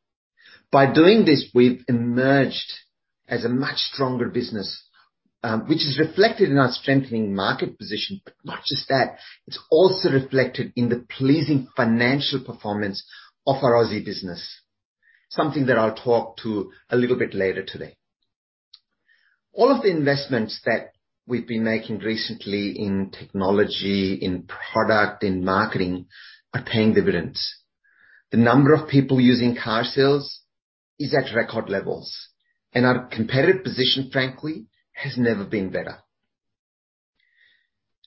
By doing this, we've emerged as a much stronger business, which is reflected in our strengthening market position. Not just that, it's also reflected in the pleasing financial performance of our Aussie business, something that I'll talk to a little bit later today. All of the investments that we've been making recently in technology, in product, in marketing are paying dividends. The number of people using carsales is at record levels, and our competitive position, frankly, has never been better.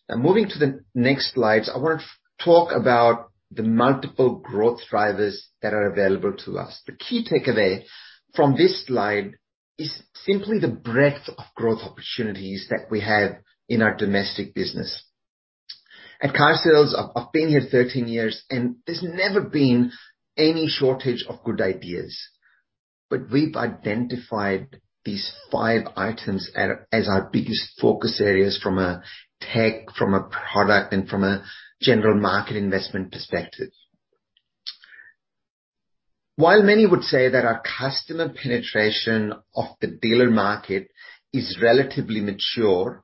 Now, moving to the next slides, I want to talk about the multiple growth drivers that are available to us. The key takeaway from this slide is simply the breadth of growth opportunities that we have in our domestic business. At carsales, I've been here 13 years, and there's never been any shortage of good ideas. We've identified these five items as our biggest focus areas from a tech, from a product, and from a general market investment perspective. While many would say that our customer penetration of the dealer market is relatively mature,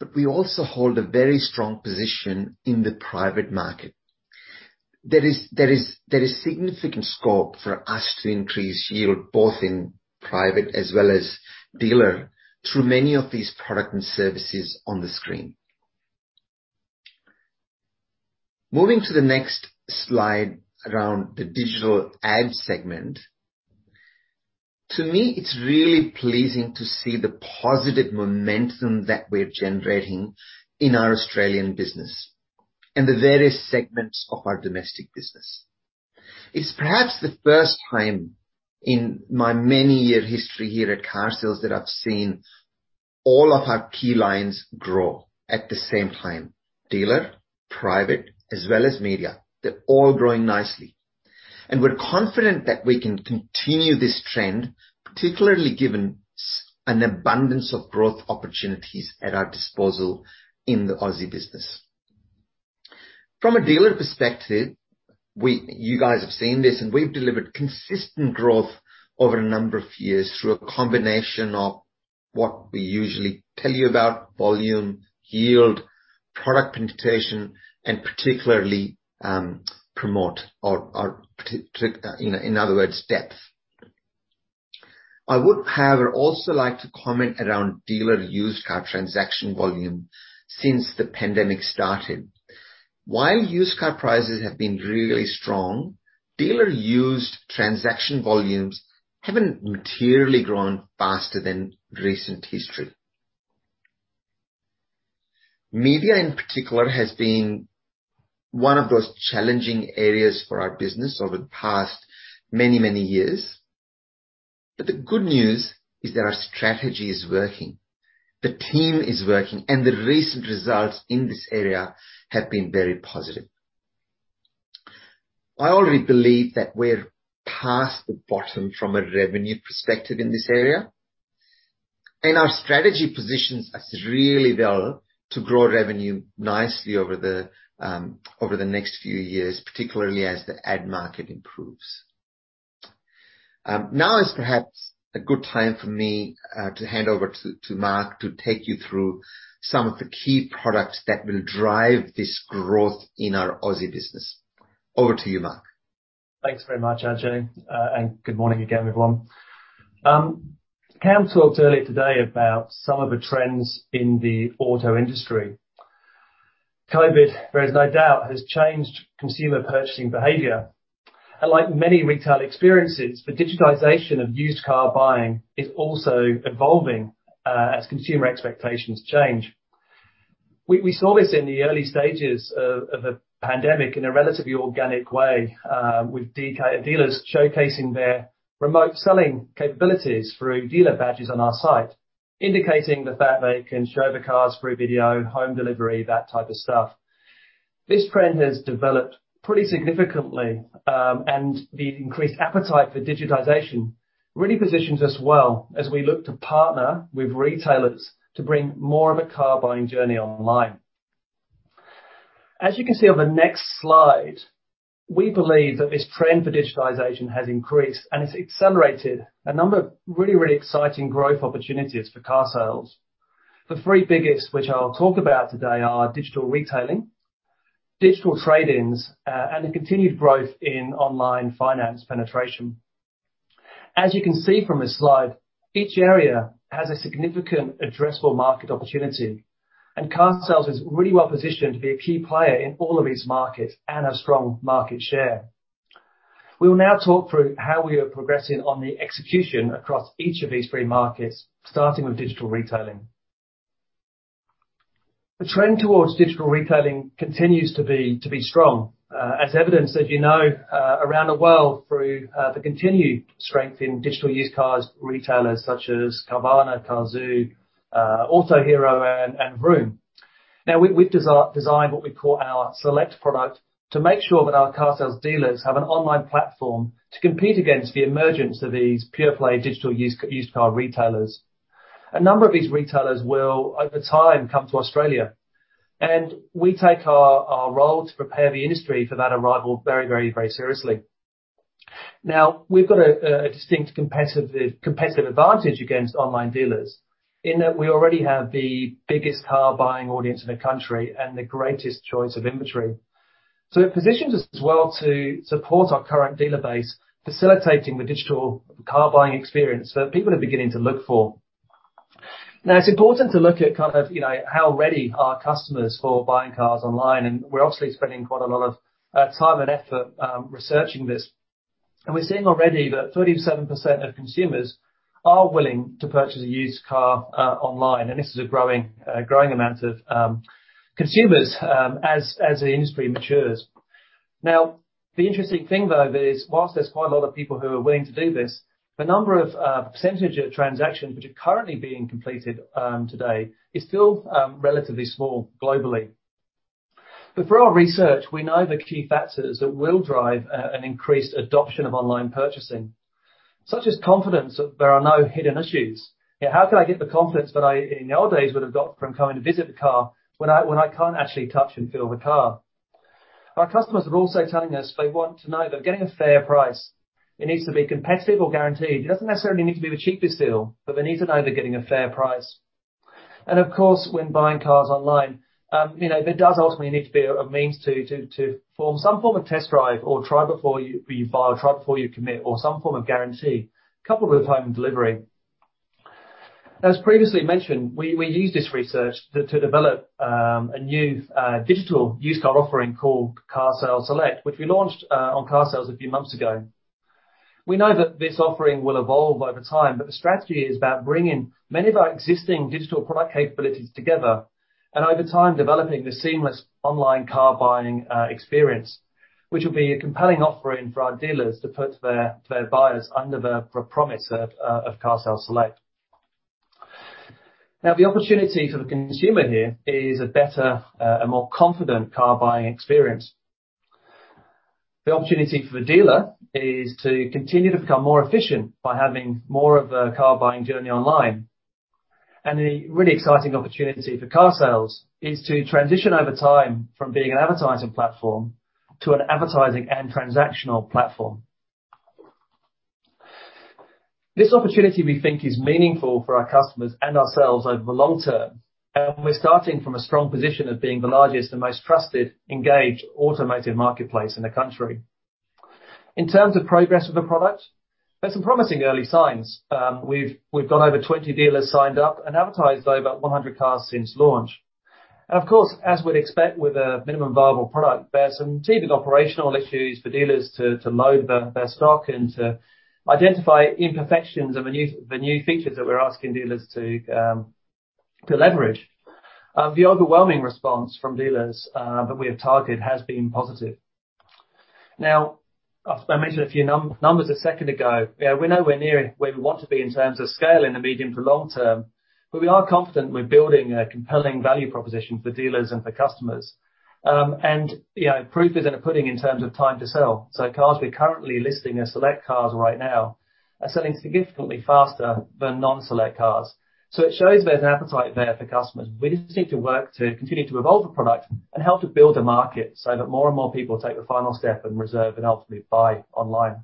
but we also hold a very strong position in the private market. There is significant scope for us to increase yield, both in private as well as dealer, through many of these product and services on the screen. Moving to the next slide around the digital ad segment. To me, it's really pleasing to see the positive momentum that we're generating in our Australian business and the various segments of our domestic business. It's perhaps the first time in my many year history here at carsales that I've seen all of our key lines grow at the same time. Dealer, private, as well as media. They're all growing nicely. We're confident that we can continue this trend, particularly given an abundance of growth opportunities at our disposal in the Aussie business. From a dealer perspective, you guys have seen this, and we've delivered consistent growth over a number of years through a combination of what we usually tell you about volume, yield, product penetration, and particularly, promo or participation, in other words, depth. I would, however, also like to comment around dealer used car transaction volume since the pandemic started. While used car prices have been really strong, dealer used transaction volumes haven't materially grown faster than recent history. Media in particular has been one of those challenging areas for our business over the past many, many years. The good news is that our strategy is working, the team is working, and the recent results in this area have been very positive. I already believe that we're past the bottom from a revenue perspective in this area, and our strategy positions us really well to grow revenue nicely over the next few years, particularly as the ad market improves. Now is perhaps a good time for me to hand over to Mark to take you through some of the key products that will drive this growth in our Aussie business. Over to you, Mark. Thanks very much, Ajay. And good morning again, everyone. Cam talked earlier today about some of the trends in the auto industry. COVID, there is no doubt, has changed consumer purchasing behavior. Like many retail experiences, the digitization of used car buying is also evolving, as consumer expectations change. We saw this in the early stages of the pandemic in a relatively organic way, with dealers showcasing their remote selling capabilities through dealer badges on our site, indicating the fact they can show the cars through video, home delivery, that type of stuff. This trend has developed pretty significantly, and the increased appetite for digitization really positions us well as we look to partner with retailers to bring more of a car buying journey online. As you can see on the next slide, we believe that this trend for digitization has increased, and it's accelerated a number of really, really exciting growth opportunities for carsales. The three biggest, which I'll talk about today, are digital retailing, digital trade-ins, and the continued growth in online finance penetration. As you can see from this slide, each area has a significant addressable market opportunity, and carsales is really well positioned to be a key player in all of these markets and a strong market share. We will now talk through how we are progressing on the execution across each of these three markets, starting with digital retailing. The trend towards digital retailing continues to be strong, as evidenced, as you know, around the world through the continued strength in digital used-car retailers such as Carvana, Cazoo, Autohero, and Vroom. Now, we've designed what we call our Select product to make sure that our carsales dealers have an online platform to compete against the emergence of these pure play digital used car retailers. A number of these retailers will, over time, come to Australia, and we take our role to prepare the industry for that arrival very seriously. Now, we've got a distinct competitive advantage against online dealers in that we already have the biggest car buying audience in the country and the greatest choice of inventory. It positions us well to support our current dealer base, facilitating the digital car buying experience that people are beginning to look for. Now, it's important to look at kind of, you know, how ready are customers for buying cars online, and we're obviously spending quite a lot of time and effort researching this. We're seeing already that 37% of consumers are willing to purchase a used car online, and this is a growing amount of consumers as the industry matures. Now, the interesting thing though is whilst there's quite a lot of people who are willing to do this, the number of percentage of transactions which are currently being completed today is still relatively small globally. Through our research, we know the key factors that will drive an increased adoption of online purchasing, such as confidence that there are no hidden issues. You know, how can I get the confidence that I, in the old days, would have got from coming to visit the car when I can't actually touch and feel the car? Our customers are also telling us they want to know they're getting a fair price. It needs to be competitive or guaranteed. It doesn't necessarily need to be the cheapest deal, but they need to know they're getting a fair price. Of course, when buying cars online, there does ultimately need to be a means to form some form of test drive or try before you buy or try before you commit or some form of guarantee coupled with home delivery. As previously mentioned, we used this research to develop a new digital used car offering called carsales Select, which we launched on carsales a few months ago. We know that this offering will evolve over time, but the strategy is about bringing many of our existing digital product capabilities together and over time, developing this seamless online car buying experience, which will be a compelling offering for our dealers to put their buyers under the promise of carsales Select. Now, the opportunity for the consumer here is a better, a more confident car buying experience. The opportunity for the dealer is to continue to become more efficient by having more of the car buying journey online. The really exciting opportunity for carsales is to transition over time from being an advertising platform to an advertising and transactional platform. This opportunity we think is meaningful for our customers and ourselves over the long term, and we're starting from a strong position of being the largest and most trusted, engaged automotive marketplace in the country. In terms of progress with the product, there's some promising early signs. We've got over 20 dealers signed up and advertised over 100 cars since launch. Of course, as we'd expect with a minimum viable product, there are some teething operational issues for dealers to load their stock and to identify imperfections of the new features that we're asking dealers to leverage. The overwhelming response from dealers that we have targeted has been positive. Now, I mentioned a few numbers a second ago. You know, we're nowhere near where we want to be in terms of scaling the medium to long term, but we are confident we're building a compelling value proposition for dealers and for customers. You know, proof is in the pudding in terms of time to sell. Cars we're currently listing as Select cars right now are selling significantly faster than non-Select cars. It shows there's an appetite there for customers. We just need to work to continue to evolve the product and help to build a market so that more and more people take the final step and reserve and ultimately buy online.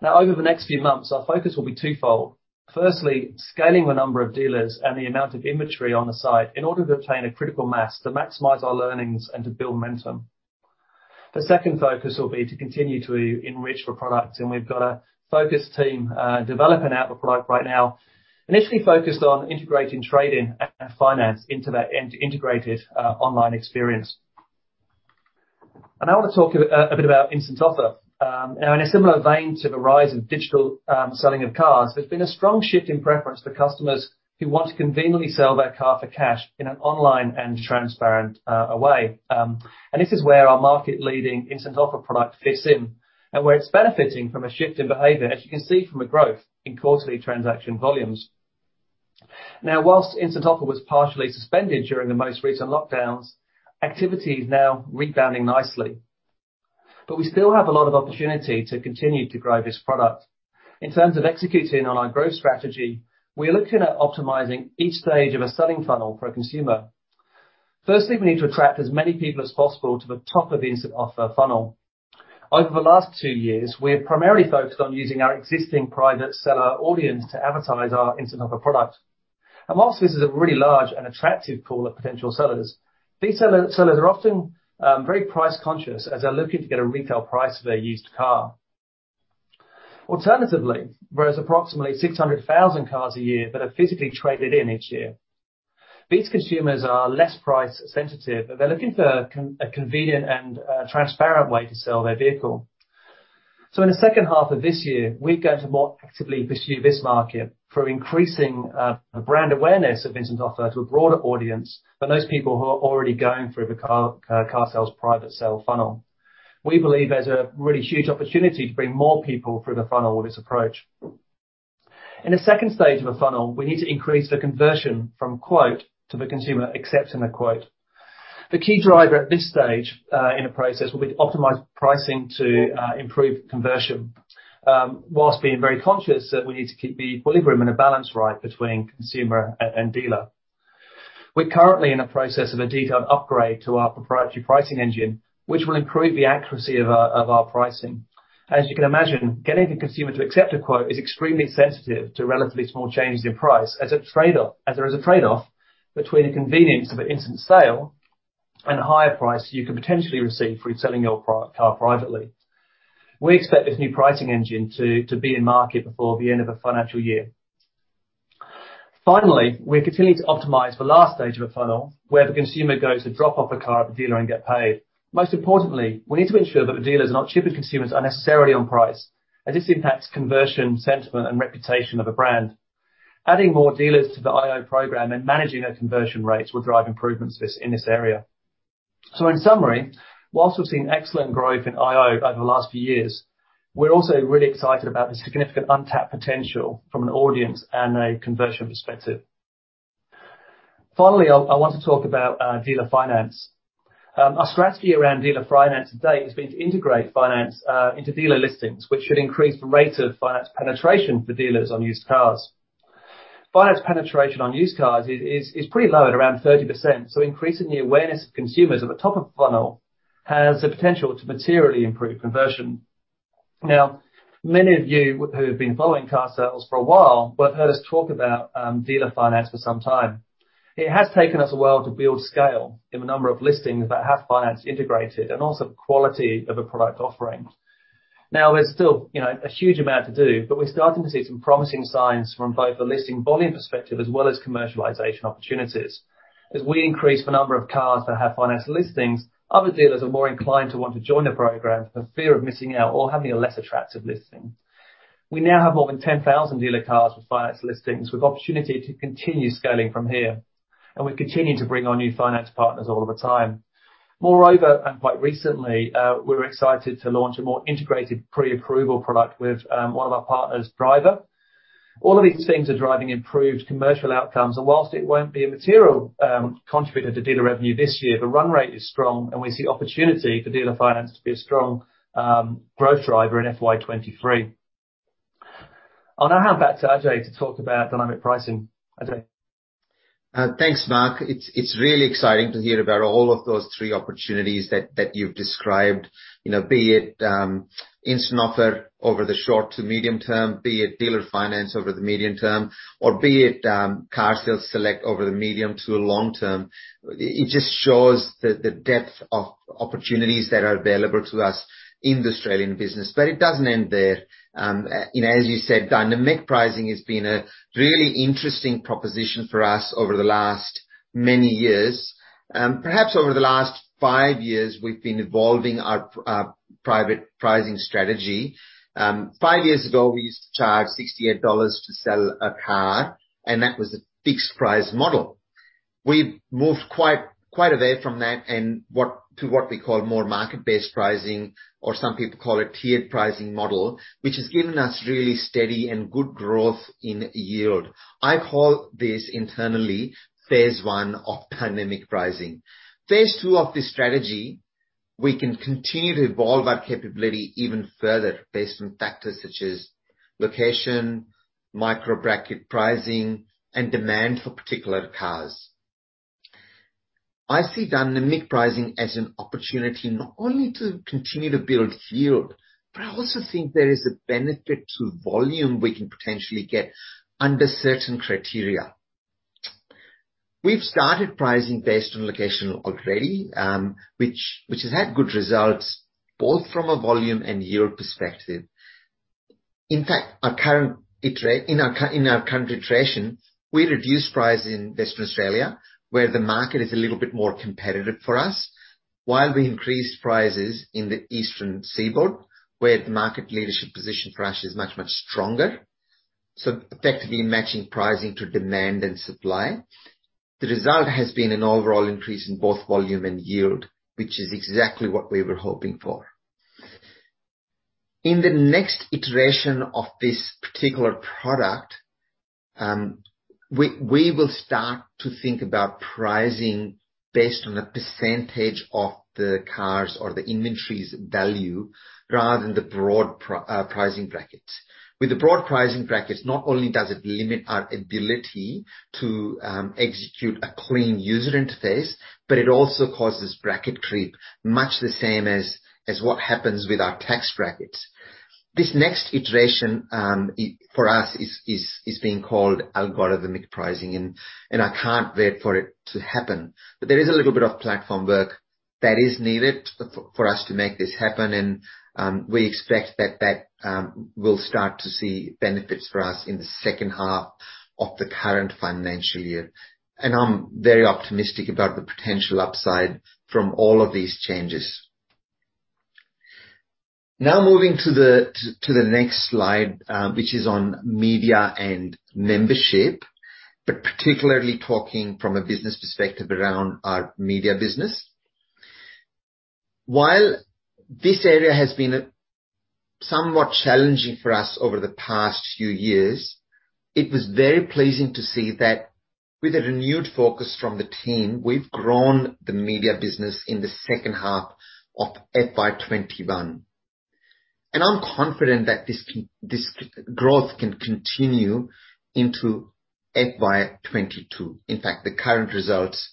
Now, over the next few months, our focus will be twofold. Firstly, scaling the number of dealers and the amount of inventory on the site in order to obtain a critical mass to maximize our learnings and to build momentum. The second focus will be to continue to enrich the product, and we've got a focus team developing out the product right now, initially focused on integrating trade-in and finance into that integrated online experience. I wanna talk a bit about Instant Offer. Now, in a similar vein to the rise of digital selling of cars, there's been a strong shift in preference for customers who want to conveniently sell their car for cash in an online and transparent way. This is where our market-leading Instant Offer product fits in, and where it's benefiting from a shift in behavior, as you can see, from the growth in quarterly transaction volumes. While Instant Offer was partially suspended during the most recent lockdowns, activity is now rebounding nicely. We still have a lot of opportunity to continue to grow this product. In terms of executing on our growth strategy, we are looking at optimizing each stage of a selling funnel for a consumer. Firstly, we need to attract as many people as possible to the top of the Instant Offer funnel. Over the last two years, we have primarily focused on using our existing private seller audience to advertise our Instant Offer product. While this is a really large and attractive pool of potential sellers, these sellers are often very price conscious as they're looking to get a retail price for their used car. Alternatively, whereas approximately 600,000 cars a year that are physically traded in each year, these consumers are less price sensitive, but they're looking for a convenient and a transparent way to sell their vehicle. In the second half of this year, we're going to more actively pursue this market through increasing brand awareness of Instant Offer to a broader audience than those people who are already going through the carsales private seller funnel. We believe there's a really huge opportunity to bring more people through the funnel with this approach. In the second stage of a funnel, we need to increase the conversion from quote to the consumer accepting the quote. The key driver at this stage in the process will be to optimize pricing to improve conversion while being very conscious that we need to keep the equilibrium and the balance right between consumer and dealer. We're currently in a process of a detailed upgrade to our proprietary pricing engine, which will improve the accuracy of our pricing. As you can imagine, getting the consumer to accept a quote is extremely sensitive to relatively small changes in price, as there is a trade-off between the convenience of an instant sale and a higher price you could potentially receive for selling your car privately. We expect this new pricing engine to be in market before the end of the financial year. Finally, we're continuing to optimize the last stage of the funnel, where the consumer goes to drop off the car at the dealer and get paid. Most importantly, we need to ensure that the dealers are not chipping consumers unnecessarily on price, as this impacts conversion, sentiment, and reputation of a brand. Adding more dealers to the IO program and managing their conversion rates will drive improvements in this area. In summary, while we've seen excellent growth in IO over the last few years, we're also really excited about the significant untapped potential from an audience and a conversion perspective. Finally, I want to talk about dealer finance. Our strategy around dealer finance to date has been to integrate finance into dealer listings, which should increase the rate of finance penetration for dealers on used cars. Finance penetration on used cars is pretty low at around 30%, so increasing the awareness of consumers at the top of funnel has the potential to materially improve conversion. Now, many of you who have been following carsales for a while will have heard us talk about dealer finance for some time. It has taken us a while to build scale in the number of listings that have finance integrated and also the quality of a product offering. Now, there's still, you know, a huge amount to do, but we're starting to see some promising signs from both the listing volume perspective as well as commercialization opportunities. As we increase the number of cars that have finance listings, other dealers are more inclined to want to join the program for fear of missing out or having a less attractive listing. We now have more than 10,000 dealer cars with finance listings, with opportunity to continue scaling from here, and we continue to bring on new finance partners all of the time. Moreover, and quite recently, we're excited to launch a more integrated pre-approval product with one of our partners, Bryver. All of these things are driving improved commercial outcomes, and while it won't be a material contributor to dealer revenue this year, the run rate is strong, and we see opportunity for dealer finance to be a strong growth driver in FY 2023. I'll now hand back to Ajay to talk about dynamic pricing. Ajay. Thanks, Mark. It's really exciting to hear about all of those three opportunities that you've described. You know, be it Instant Offer over the short to medium term, be it dealer finance over the medium term, or be it carsales Select over the medium to long term. It just shows the depth of opportunities that are available to us in the Australian business. It doesn't end there. You know, as you said, dynamic pricing has been a really interesting proposition for us over the last many years. Perhaps over the last five years, we've been evolving our private pricing strategy. Five years ago, we used to charge 68 dollars to sell a car, and that was a fixed price model. We've moved quite a way from that to what we call more market-based pricing or some people call it tiered pricing model, which has given us really steady and good growth in yield. I call this internally phase one of dynamic pricing. Phase two of this strategy, we can continue to evolve our capability even further based on factors such as location, micro bracket pricing, and demand for particular cars. I see dynamic pricing as an opportunity not only to continue to build yield, but I also think there is a benefit to volume we can potentially get under certain criteria. We've started pricing based on location already, which has had good results both from a volume and yield perspective. In fact, in our current iteration, we reduced pricing in Western Australia, where the market is a little bit more competitive for us. While we increased prices in the eastern seaboard, where the market leadership position for us is much, much stronger, so effectively matching pricing to demand and supply. The result has been an overall increase in both volume and yield, which is exactly what we were hoping for. In the next iteration of this particular product, we will start to think about pricing based on a percentage of the cars or the inventory's value rather than the broad pricing brackets. With the broad pricing brackets, not only does it limit our ability to execute a clean user interface, but it also causes bracket creep, much the same as what happens with our tax brackets. This next iteration for us is being called algorithmic pricing, and I can't wait for it to happen. There is a little bit of platform work that is needed for us to make this happen, and we expect that we'll start to see benefits for us in the second half of the current financial year. I'm very optimistic about the potential upside from all of these changes. Now moving to the next slide, which is on media and membership, but particularly talking from a business perspective around our media business. While this area has been somewhat challenging for us over the past few years, it was very pleasing to see that with a renewed focus from the team, we've grown the media business in the second half of FY 2021. I'm confident that this growth can continue into FY 2022. In fact, the current results.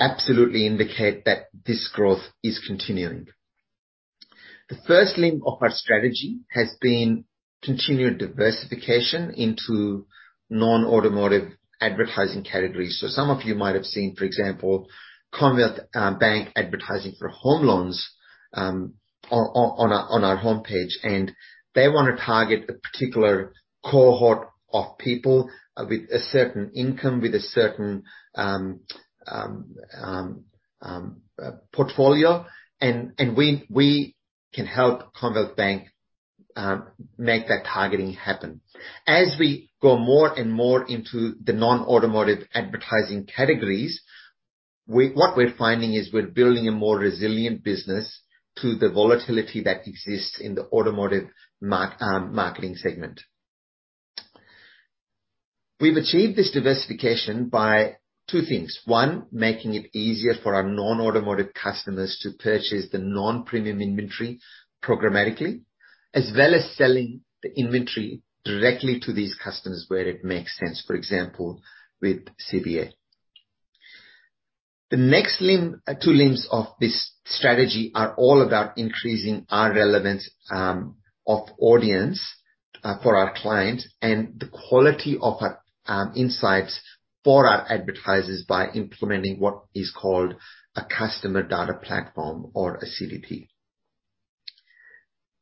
Absolutely indicate that this growth is continuing. The first limb of our strategy has been continued diversification into non-automotive advertising categories. Some of you might have seen, for example, Commonwealth Bank advertising for home loans on our homepage. They wanna target a particular cohort of people with a certain income, with a certain portfolio, and we can help Commonwealth Bank make that targeting happen. As we go more and more into the non-automotive advertising categories, what we're finding is we're building a more resilient business to the volatility that exists in the automotive marketing segment. We've achieved this diversification by two things. One, making it easier for our non-automotive customers to purchase the non-premium inventory programmatically, as well as selling the inventory directly to these customers where it makes sense, for example, with CVA. The next limb, two limbs of this strategy are all about increasing our relevance of audience for our clients, and the quality of our insights for our advertisers by implementing what is called a customer data platform, or a CDP.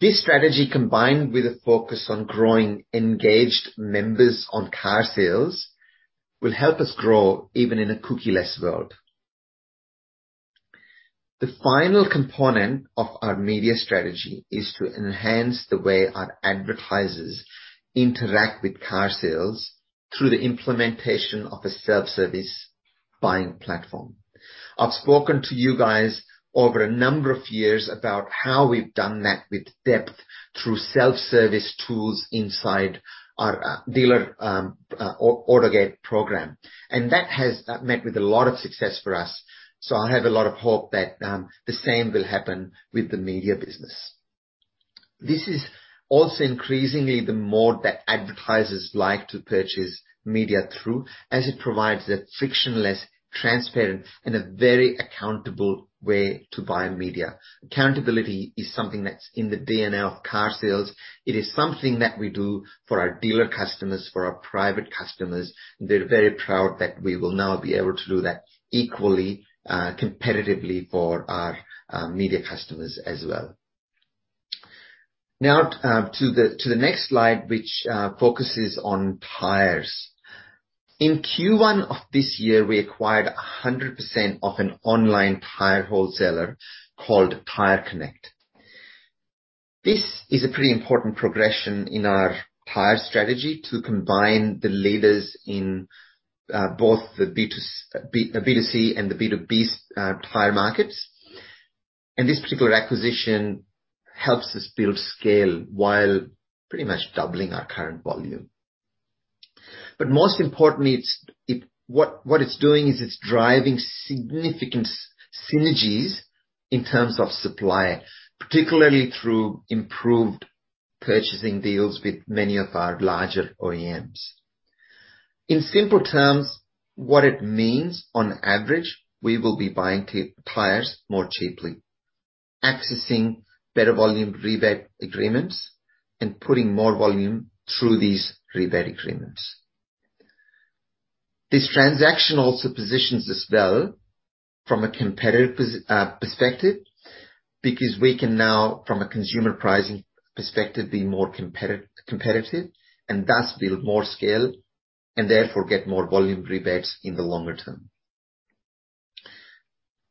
This strategy, combined with a focus on growing engaged members on carsales, will help us grow even in a cookieless world. The final component of our media strategy is to enhance the way our advertisers interact with carsales through the implementation of a self-service buying platform. I've spoken to you guys over a number of years about how we've done that with depth through self-service tools inside our dealer or AutoGate program. That has met with a lot of success for us, so I have a lot of hope that the same will happen with the media business. This is also increasingly the more that advertisers like to purchase media through, as it provides a frictionless, transparent, and a very accountable way to buy media. Accountability is something that's in the DNA of carsales. It is something that we do for our dealer customers, for our private customers. They're very proud that we will now be able to do that equally competitively for our media customers as well. Now, to the next slide, which focuses on tires. In Q1 of this year, we acquired 100% of an online tire wholesaler called TyreConnect. This is a pretty important progression in our tire strategy to combine the leaders in both the B2C and the B2B tire markets. This particular acquisition helps us build scale while pretty much doubling our current volume. Most importantly, what it's doing is driving significant synergies in terms of supply, particularly through improved purchasing deals with many of our larger OEMs. In simple terms, what it means, on average, we will be buying tires more cheaply, accessing better volume rebate agreements, and putting more volume through these rebate agreements. This transaction also positions us well from a competitive perspective, because we can now, from a consumer pricing perspective, be more competitive, and thus build more scale, and therefore get more volume rebates in the longer term.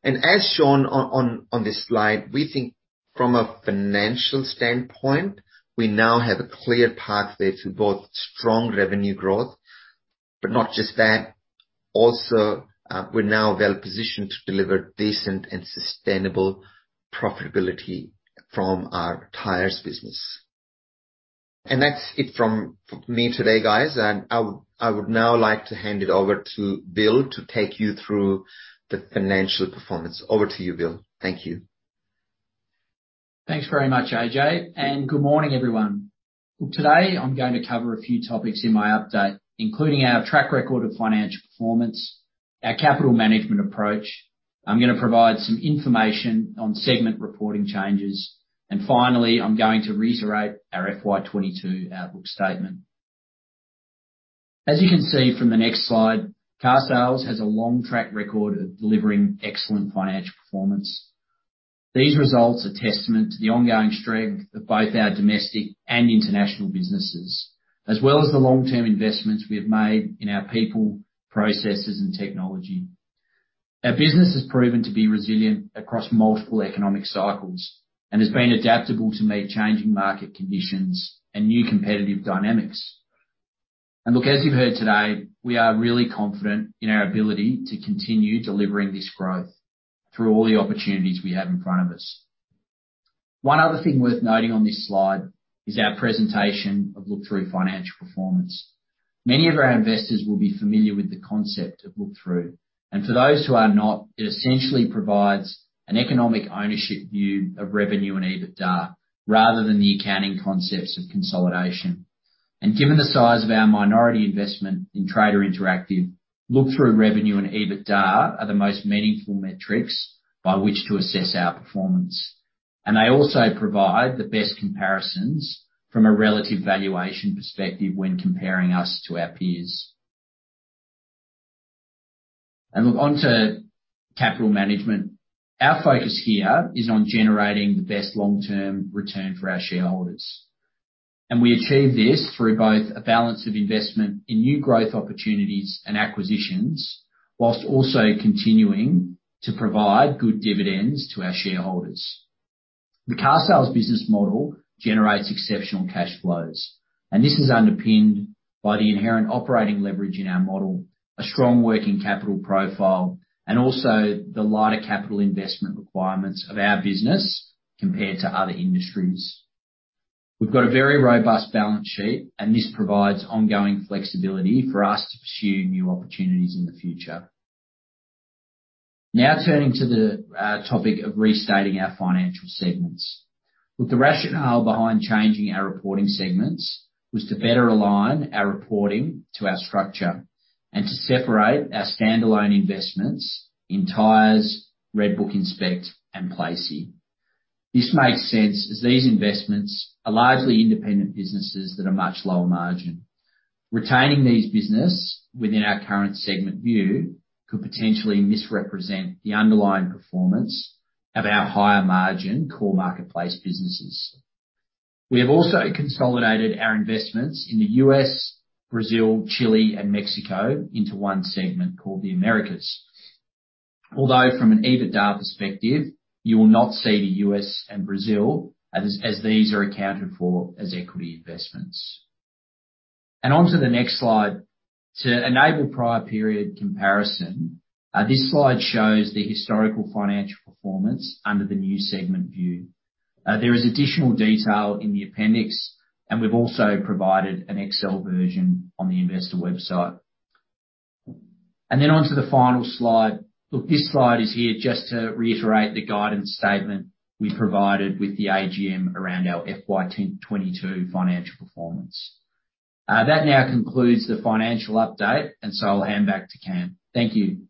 As shown on this slide, we think from a financial standpoint, we now have a clear pathway to both strong revenue growth, but not just that, also, we're now well-positioned to deliver decent and sustainable profitability from our tires business. That's it from me today, guys. I would now like to hand it over to Bill to take you through the financial performance. Over to you, Will. Thank you. Thanks very much, A. Good morning, everyone. Today, I'm going to cover a few topics in my update, including our track record of financial performance, our capital management approach. I'm gonna provide some information on segment reporting changes. Finally, I'm going to reiterate our FY 2022 outlook statement. As you can see from the next slide, Carsales has a long track record of delivering excellent financial performance. These results are testament to the ongoing strength of both our domestic and international businesses, as well as the long-term investments we have made in our people, processes, and technology. Our business has proven to be resilient across multiple economic cycles and has been adaptable to meet changing market conditions and new competitive dynamics. Look, as you've heard today, we are really confident in our ability to continue delivering this growth through all the opportunities we have in front of us. One other thing worth noting on this slide is our presentation of look-through financial performance. Many of our investors will be familiar with the concept of look-through, and for those who are not, it essentially provides an economic ownership view of revenue and EBITDA, rather than the accounting concepts of consolidation. Given the size of our minority investment in Trader Interactive, look-through revenue and EBITDA are the most meaningful metrics by which to assess our performance. They also provide the best comparisons from a relative valuation perspective when comparing us to our peers. Look, onto capital management. Our focus here is on generating the best long-term return for our shareholders. We achieve this through both a balance of investment in new growth opportunities and acquisitions, while also continuing to provide good dividends to our shareholders. The carsales business model generates exceptional cash flows, and this is underpinned by the inherent operating leverage in our model, a strong working capital profile, and also the lighter capital investment requirements of our business compared to other industries. We've got a very robust balance sheet, and this provides ongoing flexibility for us to pursue new opportunities in the future. Now, turning to the topic of restating our financial segments. Look, the rationale behind changing our reporting segments was to better align our reporting to our structure and to separate our standalone investments in TyreConnect, RedBook Inspect, and Placie. This makes sense as these investments are largely independent businesses that are much lower margin. Retaining these businesses within our current segment view could potentially misrepresent the underlying performance of our higher margin core marketplace businesses. We have also consolidated our investments in the U.S., Brazil, Chile, and Mexico into one segment called the Americas. Although from an EBITDA perspective, you will not see the U.S. and Brazil as these are accounted for as equity investments. Onto the next slide. To enable prior period comparison, this slide shows the historical financial performance under the new segment view. There is additional detail in the appendix, and we've also provided an Excel version on the investor website. Onto the final slide. Look, this slide is here just to reiterate the guidance statement we provided with the AGM around our FY 2022 financial performance. That now concludes the financial update, I'll hand back to Cam. Thank you.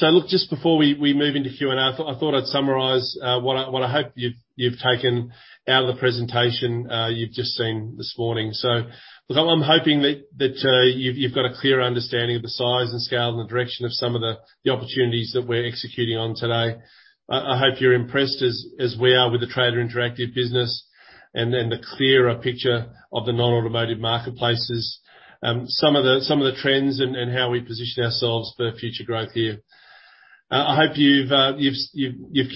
Look, just before we move into Q&A, I thought I'd summarize what I hope you've taken out of the presentation you've just seen this morning. I'm hoping that you've got a clear understanding of the size and scale and the direction of some of the opportunities that we're executing on today. I hope you're impressed as we are with the Trader Interactive business and then the clearer picture of the non-automotive marketplaces, some of the trends and how we position ourselves for future growth here. I hope you've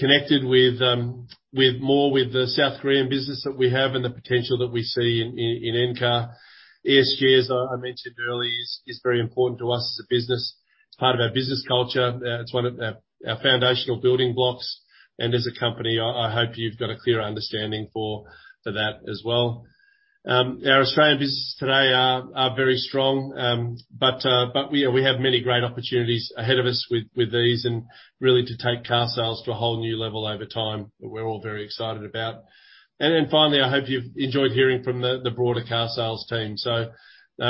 connected more with the South Korean business that we have and the potential that we see in Encar. ESG, as I mentioned earlier, is very important to us as a business. It's part of our business culture. It's one of our foundational building blocks. As a company, I hope you've got a clear understanding for that as well. Our Australian businesses today are very strong. We have many great opportunities ahead of us with these and really to take carsales to a whole new level over time that we're all very excited about. Finally, I hope you've enjoyed hearing from the broader carsales team.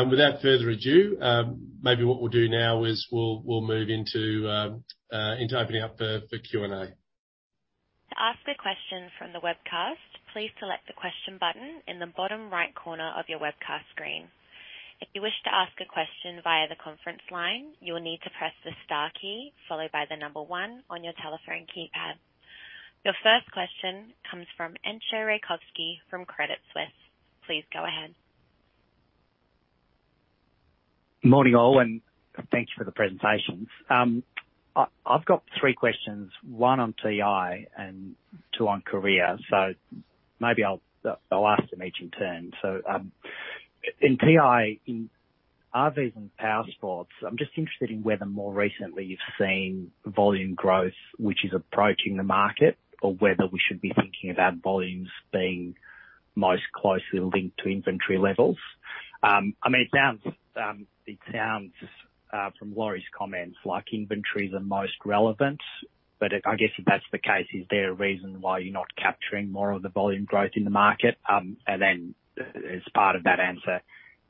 Without further ado, maybe what we'll do now is we'll move into opening up the Q&A. To ask a question from the webcast, please select the question button in the bottom right corner of your webcast screen. If you wish to ask a question via the conference line, you will need to press the star key followed by the number one on your telephone keypad. Your first question comes from Entcho Raykovski from Credit Suisse. Please go ahead. Morning, all, and thank you for the presentations. I've got three questions, one on TI and two on Korea, so maybe I'll ask them each in turn. In TI, in RVs and powersports, I'm just interested in whether more recently you've seen volume growth, which is approaching the market, or whether we should be thinking about volumes being most closely linked to inventory levels. I mean, it sounds from Lori's comments, like inventory is the most relevant, but I guess if that's the case, is there a reason why you're not capturing more of the volume growth in the market? Then as part of that answer,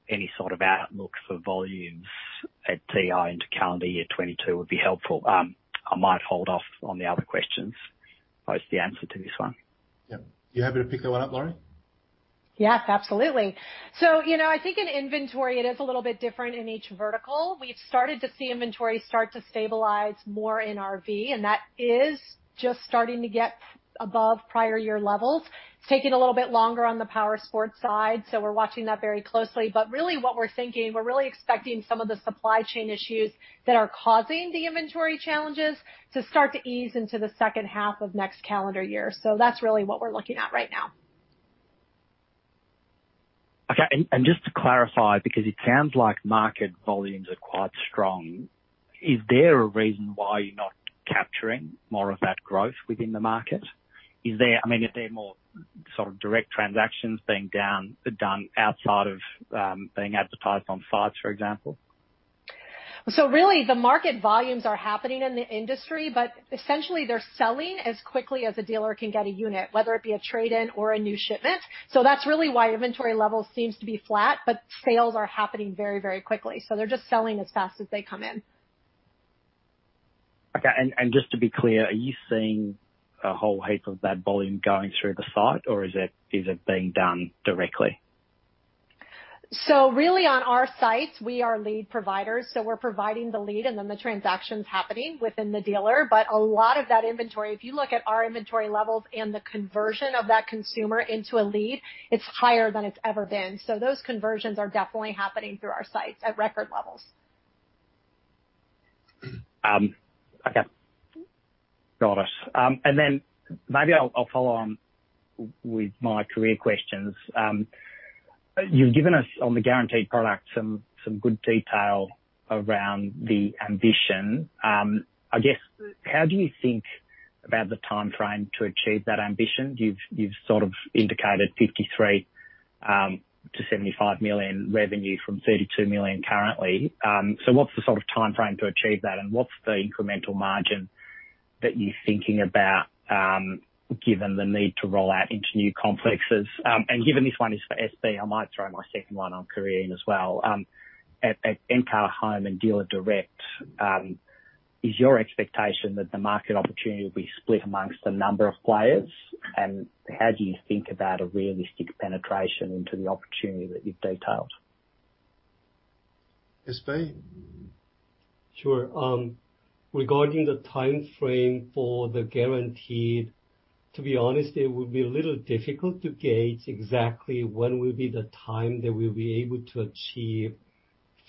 any sort of outlook for volumes at TI into calendar year 2022 would be helpful. I might hold off on the other questions, post the answer to this one. Yeah. You happy to pick that one up, Lori? Yes, absolutely. You know, I think in inventory it is a little bit different in each vertical. We've started to see inventory start to stabilize more in RV, and that is just starting to get above prior year levels. It's taking a little bit longer on the powersports side, so we're watching that very closely. Really what we're thinking, we're really expecting some of the supply chain issues that are causing the inventory challenges to start to ease into the second half of next calendar year. That's really what we're looking at right now. Okay. Just to clarify, because it sounds like market volumes are quite strong, is there a reason why you're not capturing more of that growth within the market? I mean, are there more sort of direct transactions being done outside of being advertised on sites, for example? Really the market volumes are happening in the industry, but essentially they're selling as quickly as a dealer can get a unit, whether it be a trade-in or a new shipment. That's really why inventory levels seems to be flat, but sales are happening very, very quickly, so they're just selling as fast as they come in. Okay. Just to be clear, are you seeing a whole heap of that volume going through the site or is it being done directly? Really on our sites we are lead providers, so we're providing the lead and then the transaction's happening within the dealer. A lot of that inventory, if you look at our inventory levels and the conversion of that consumer into a lead, it's higher than it's ever been. Those conversions are definitely happening through our sites at record levels. Okay. Got it. Maybe I'll follow on with my Encar questions. You've given us on the guaranteed product some good detail around the ambition. I guess, how do you think about the timeframe to achieve that ambition? You've sort of indicated 53 million-75 million revenue from 32 million currently. What's the sort of timeframe to achieve that, and what's the incremental margin that you're thinking about, given the need to roll out into new complexes? Given this one is for SB, I might throw my second one on Encar as well. At Encar Home and Dealer Direct, is your expectation that the market opportunity will be split amongst a number of players? How do you think about a realistic penetration into the opportunity that you've detailed? SB. Sure. Regarding the timeframe for the Guarantee, to be honest, it would be a little difficult to gauge exactly when will be the time that we'll be able to achieve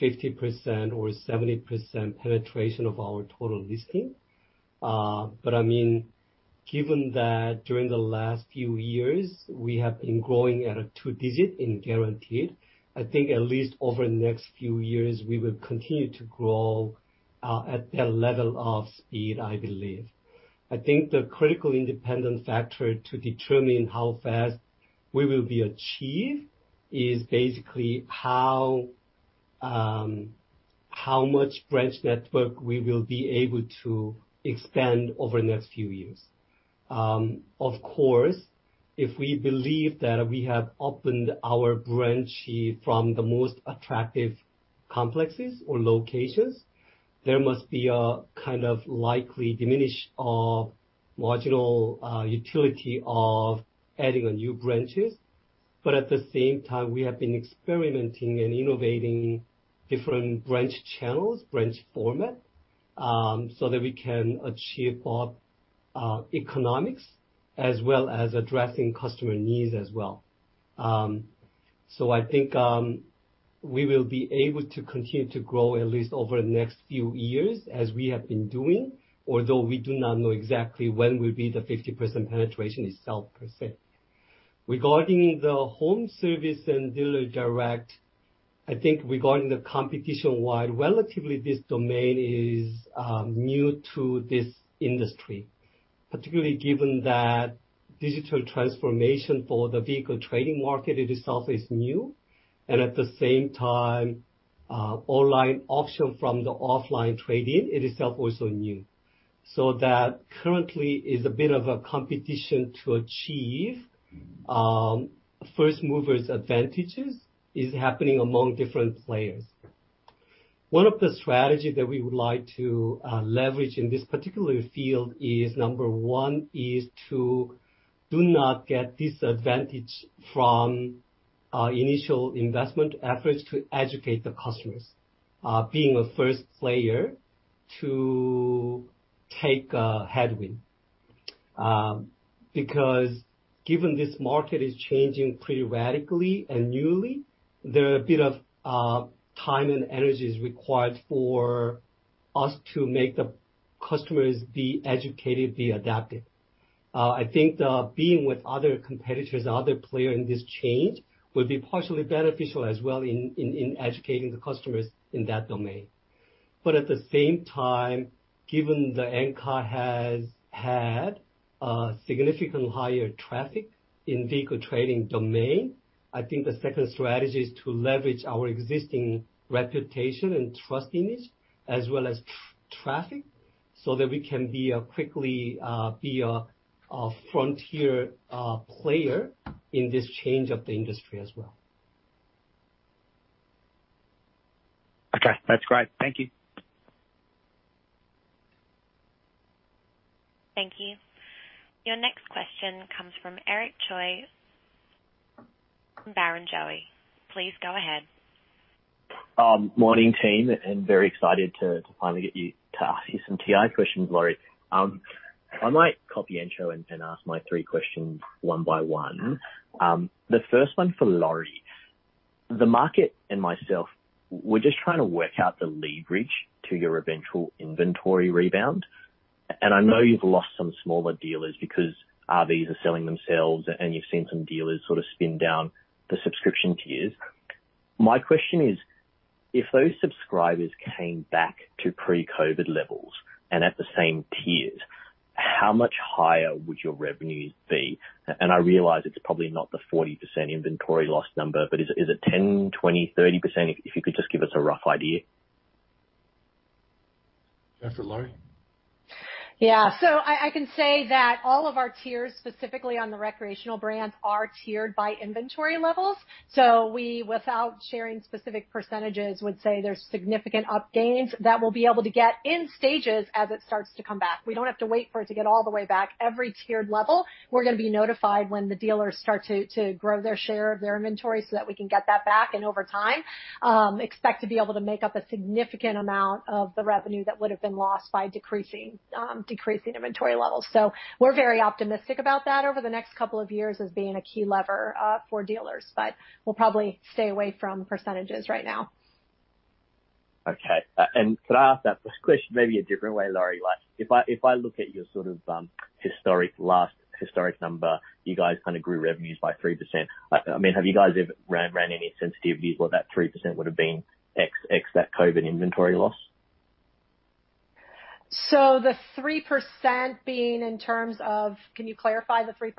50% or 70% penetration of our total listing. I mean, given that during the last few years we have been growing at a two-digit in Guarantee, I think at least over the next few years we will continue to grow at that level of speed, I believe. I think the critical independent factor to determine how fast we will achieve is basically how much branch network we will be able to expand over the next few years. Of course, if we believe that we have opened our branch from the most attractive complexes or locations, there must be a kind of likely diminishing marginal utility of adding on new branches. At the same time, we have been experimenting and innovating different branch channels, branch format, so that we can achieve our economics as well as addressing customer needs as well. I think we will be able to continue to grow at least over the next few years as we have been doing, although we do not know exactly when will be the 50% penetration itself per se. Regarding the home service and Dealer Direct, I think regarding the competition-wide, relatively this domain is new to this industry, particularly given that digital transformation for the vehicle trading market itself is new and at the same time, online option from the offline trading itself also new. That currently is a bit of a competition to achieve first movers advantages is happening among different players. One of the strategy that we would like to leverage in this particular field is number one, is to do not get disadvantage from initial investment efforts to educate the customers, being a first player to take a headwind. Because given this market is changing pretty radically and newly, there are a bit of time and energy is required for us to make the customers be educated, be adapted. I think teaming with other competitors, other player in this change would be partially beneficial as well in educating the customers in that domain. At the same time, given that Encar has had significantly higher traffic in vehicle trading domain, I think the second strategy is to leverage our existing reputation and trustworthiness as well as traffic so that we can quickly be a frontier player in this change of the industry as well. Okay. That's great. Thank you. Thank you. Your next question comes from Eric Choi from Barrenjoey. Please go ahead. Morning team and very excited to ask you some TI questions, Lori. I might copy Entcho and ask my three questions one by one. The first one for Lori. The market and myself, we're just trying to work out the lead reach to your eventual inventory rebound. I know you've lost some smaller dealers because RVs are selling themselves and you've seen some dealers sort of spin down the subscription tiers. My question is, if those subscribers came back to pre-COVID levels and at the same tiers. How much higher would your revenues be? I realize it's probably not the 40% inventory loss number, but is it 10%, 20%, 30%? If you could just give us a rough idea. That's for Lori. Yeah. I can say that all of our tiers, specifically on the recreational brands, are tiered by inventory levels. We, without sharing specific percentages, would say there's significant up gains that we'll be able to get in stages as it starts to come back. We don't have to wait for it to get all the way back. Every tiered level, we're gonna be notified when the dealers start to grow their share of their inventory so that we can get that back. Over time, expect to be able to make up a significant amount of the revenue that would have been lost by decreasing inventory levels. We're very optimistic about that over the next couple of years as being a key lever for dealers. We'll probably stay away from percentages right now. Okay. Could I ask that question maybe a different way, Lori? Like if I look at your sort of historic, last historic number, you guys kind of grew revenues by 3%. I mean, have you guys ever ran any sensitivities what that 3% would have been ex that COVID inventory loss? The 3% being in terms of. Can you clarify the 3%?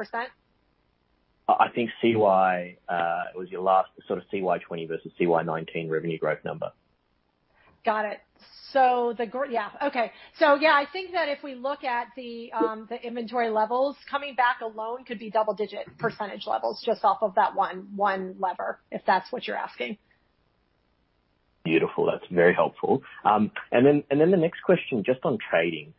I think CY, it was your last sort of CY 2020 versus CY 2019 revenue growth number. Got it. Yeah. Okay. Yeah, I think that if we look at the inventory levels coming back alone could be double-digit % levels just off of that one lever, if that's what you're asking. Beautiful. That's very helpful. The next question, just on trading.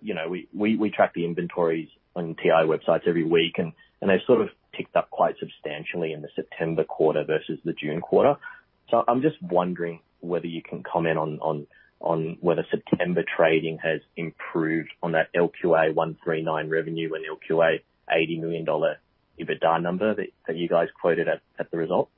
You know, we track the inventories on TI websites every week, and they sort of ticked up quite substantially in the September quarter versus the June quarter. I'm just wondering whether you can comment on whether September trading has improved on that LQA 139 revenue and LQA 80 million dollar EBITDA number that you guys quoted at the result.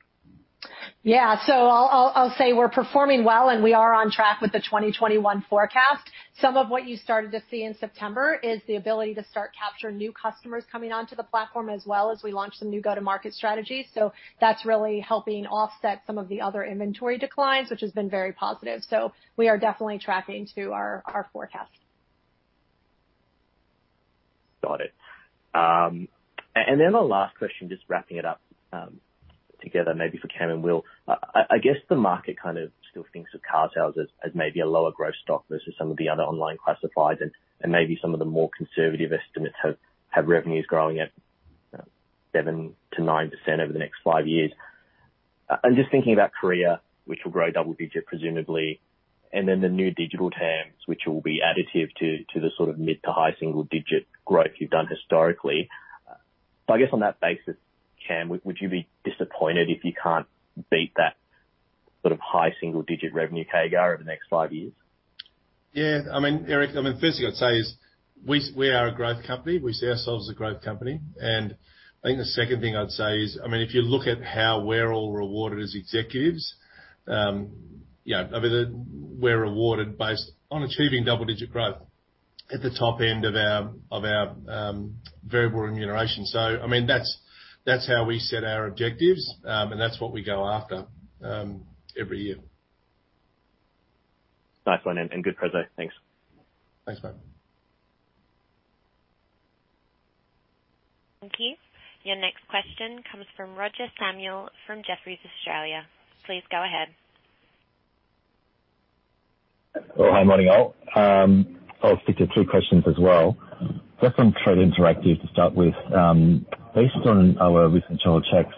Yeah. I'll say we're performing well and we are on track with the 2021 forecast. Some of what you started to see in September is the ability to start to capture new customers coming onto the platform as well as we launch some new go-to-market strategies. That's really helping offset some of the other inventory declines, which has been very positive. We are definitely tracking to our forecast. Got it. And then the last question, just wrapping it up, together maybe for Cam and Will. I guess the market kind of still thinks of carsales as maybe a lower growth stock versus some of the other online classifieds and maybe some of the more conservative estimates have revenues growing at 7%-9% over the next five years. I'm just thinking about Korea, which will grow double-digit, presumably, and then the new digital TAMs, which will be additive to the sort of mid- to high-single-digit growth you've done historically. I guess on that basis, Cam, would you be disappointed if you can't beat that sort of high-single-digit revenue CAGR over the next five years? Yeah. I mean, Eric, I mean, firstly I'd say is we are a growth company. We see ourselves as a growth company. I think the second thing I'd say is, I mean, if you look at how we're all rewarded as executives, you know, I mean, we're rewarded based on achieving double-digit growth at the top end of our variable remuneration. I mean, that's how we set our objectives, and that's what we go after every year. Nice one. Good presentation. Thanks. Thanks, mate. Thank you. Your next question comes from Roger Samuel from Jefferies Australia. Please go ahead. Well, hi, morning all. I'll stick to two questions as well. Just on Trader Interactive to start with. Based on our recent channel checks,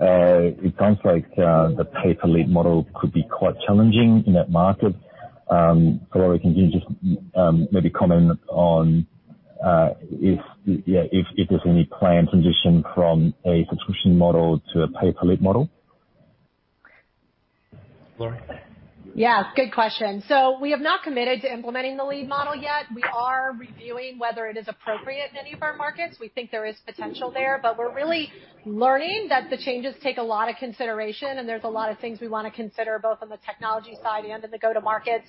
it sounds like the pay per lead model could be quite challenging in that market. Lori, can you just maybe comment on if there's any planned transition from a subscription model to a pay per lead model? Lori? Yeah, good question. We have not committed to implementing the lead model yet. We are reviewing whether it is appropriate in any of our markets. We think there is potential there, but we're really learning that the changes take a lot of consideration and there's a lot of things we wanna consider both on the technology side and in the go to market.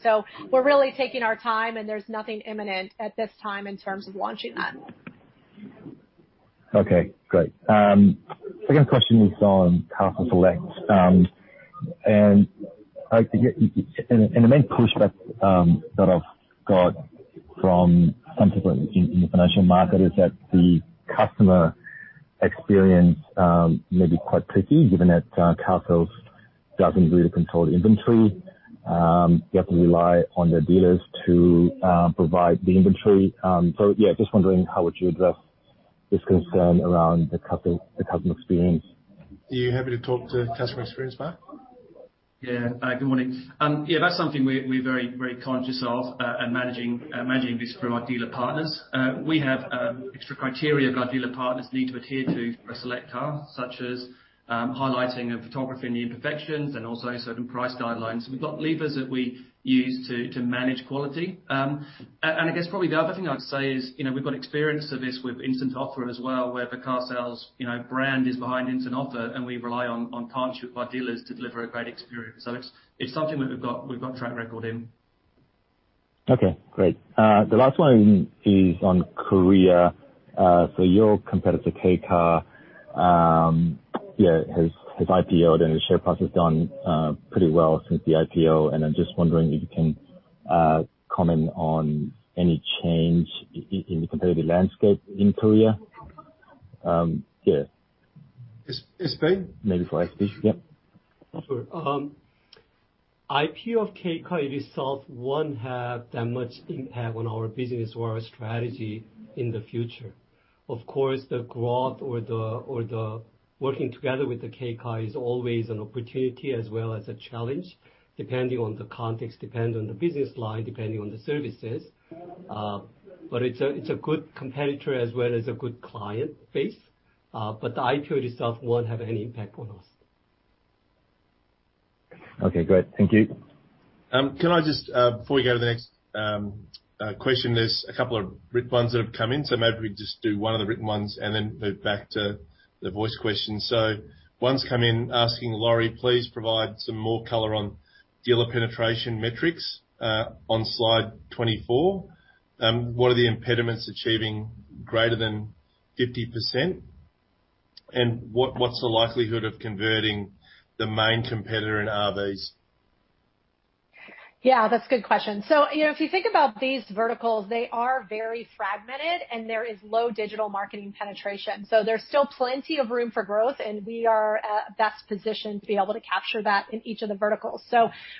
We're really taking our time, and there's nothing imminent at this time in terms of launching that. Okay, great. Second question is on carsales Select. I think the main pushback that I've got from some people in the financial market is that the customer experience may be quite tricky given that carsales doesn't really control the inventory. They have to rely on their dealers to provide the inventory. Just wondering how would you address this concern around the customer experience? Are you happy to talk to customer experience, Mark? Yeah. Good morning. Yeah, that's something we're very, very conscious of and managing this through our dealer partners. We have extra criteria that our dealer partners need to adhere to for a Select car, such as highlighting of photography and the imperfections and also certain price guidelines. We've got levers that we use to manage quality. I guess probably the other thing I'd say is, you know, we've got experience of this with Instant Offer as well, where the carsales brand is behind Instant Offer and we rely on partnership with our dealers to deliver a great experience. It's something that we've got track record in. Okay, great. The last one is on Korea. Your competitor, K Car has IPO'd and the share price has done pretty well since the IPO, and I'm just wondering if you can comment on any change in the competitive landscape in Korea. SB. Maybe for SB. Yep. Sure. IPO of K Car itself won't have that much impact on our business or our strategy in the future. Of course, the growth or the working together with the K Car is always an opportunity as well as a challenge, depending on the context, depending on the business line, depending on the services. It's a good competitor as well as a good client base. The IPO itself won't have any impact on us. Okay, great. Thank you. Can I just, before we go to the next question, there's a couple of written ones that have come in, so maybe we just do one of the written ones and then move back to the voice questions. One's come in asking Lori, please provide some more color on dealer penetration metrics on slide 24. What are the impediments achieving greater than 50%? And what's the likelihood of converting the main competitor in RVs? Yeah, that's a good question. You know, if you think about these verticals, they are very fragmented and there is low digital marketing penetration. There's still plenty of room for growth, and we are at best positioned to be able to capture that in each of the verticals.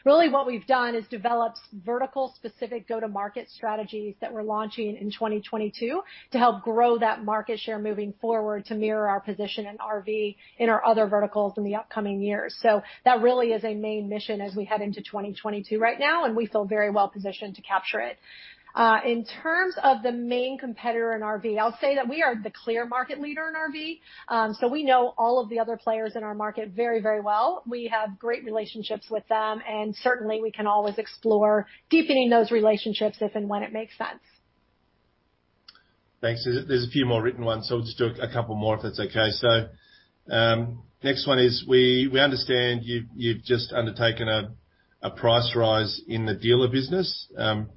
Really what we've done is developed vertical specific go-to-market strategies that we're launching in 2022 to help grow that market share moving forward to mirror our position in RV, in our other verticals in the upcoming years. That really is a main mission as we head into 2022 right now, and we feel very well positioned to capture it. In terms of the main competitor in RV, I'll say that we are the clear market leader in RV, so we know all of the other players in our market very, very well. We have great relationships with them, and certainly we can always explore deepening those relationships if and when it makes sense. Thanks. There's a few more written ones, so we'll just do a couple more if that's okay. Next one is we understand you've just undertaken a price rise in the dealer business.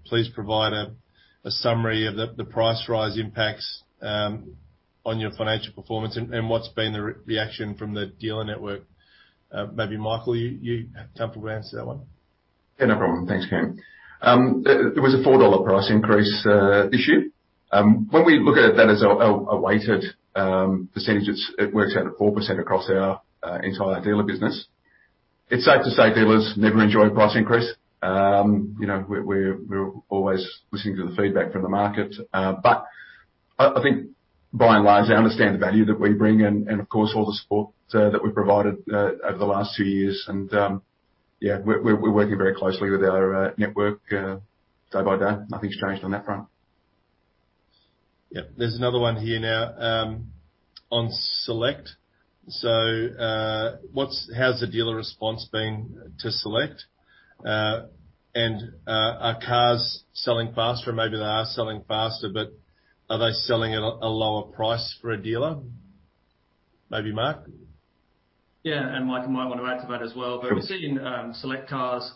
Please provide a summary of the price rise impacts on your financial performance and what's been the reaction from the dealer network. Maybe Michael, are you comfortable to answer that one? Yeah, no problem. Thanks, Cam. It was an 4 dollar price increase this year. When we look at that as a weighted percentage, it works out at 4% across our entire dealer business. It's safe to say dealers never enjoy a price increase. You know, we're always listening to the feedback from the market. But I think by and large, they understand the value that we bring and of course, all the support that we've provided over the last two years. We're working very closely with our network day by day. Nothing's changed on that front. Yep. There's another one here now, on Select. How's the dealer response been to Select? Are cars selling faster? Maybe they are selling faster, but are they selling at a lower price for a dealer? Maybe Mark? Yeah, Michael might want to add to that as well. Sure. We're seeing Select cars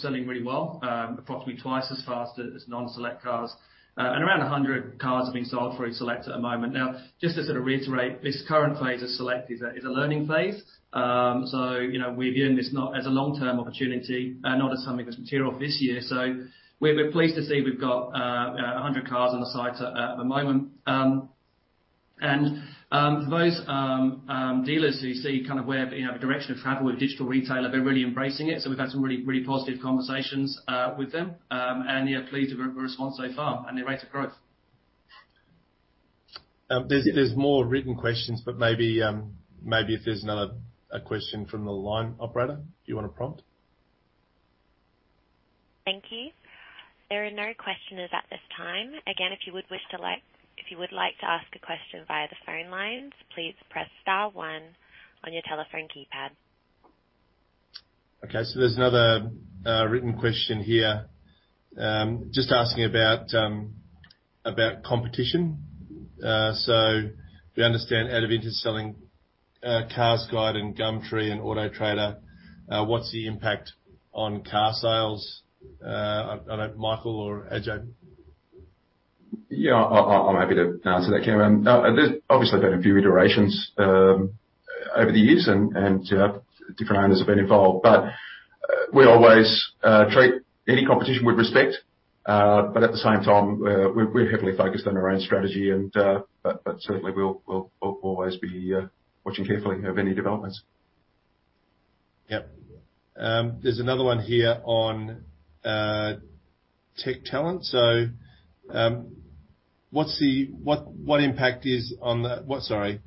selling really well, approximately twice as fast as non-Select cars. And around 100 cars are being sold through Select at the moment. Now, just to sort of reiterate, this current phase of Select is a learning phase. So, you know, we view this not as a long-term opportunity, not as something that's material for this year. We're pleased to see we've got a 100 cars on the site at the moment. For those dealers who see kind of where, you know, the direction of travel with digital retailing, they're really embracing it. We've had some really positive conversations with them. Pleased with the response so far and the rate of growth. There's more written questions, but maybe if there's another question from the line operator, if you wanna prompt. Thank you. There are no questions at this time. Again, if you would like to ask a question via the phone lines, please press star one on your telephone keypad. Okay, there's another written question here, just asking about competition. We understand, out of interest, selling CarsGuide and Gumtree and Autotrader, what's the impact on carsales? I don't know, Michael or Ajay? Yeah, I'm happy to answer that, Cam. There's obviously been a few iterations over the years and, you know, different owners have been involved, but we always treat any competition with respect. But at the same time, we're heavily focused on our own strategy and but certainly we'll always be watching carefully of any developments. Yep. There's another one here on tech talent. What impact is the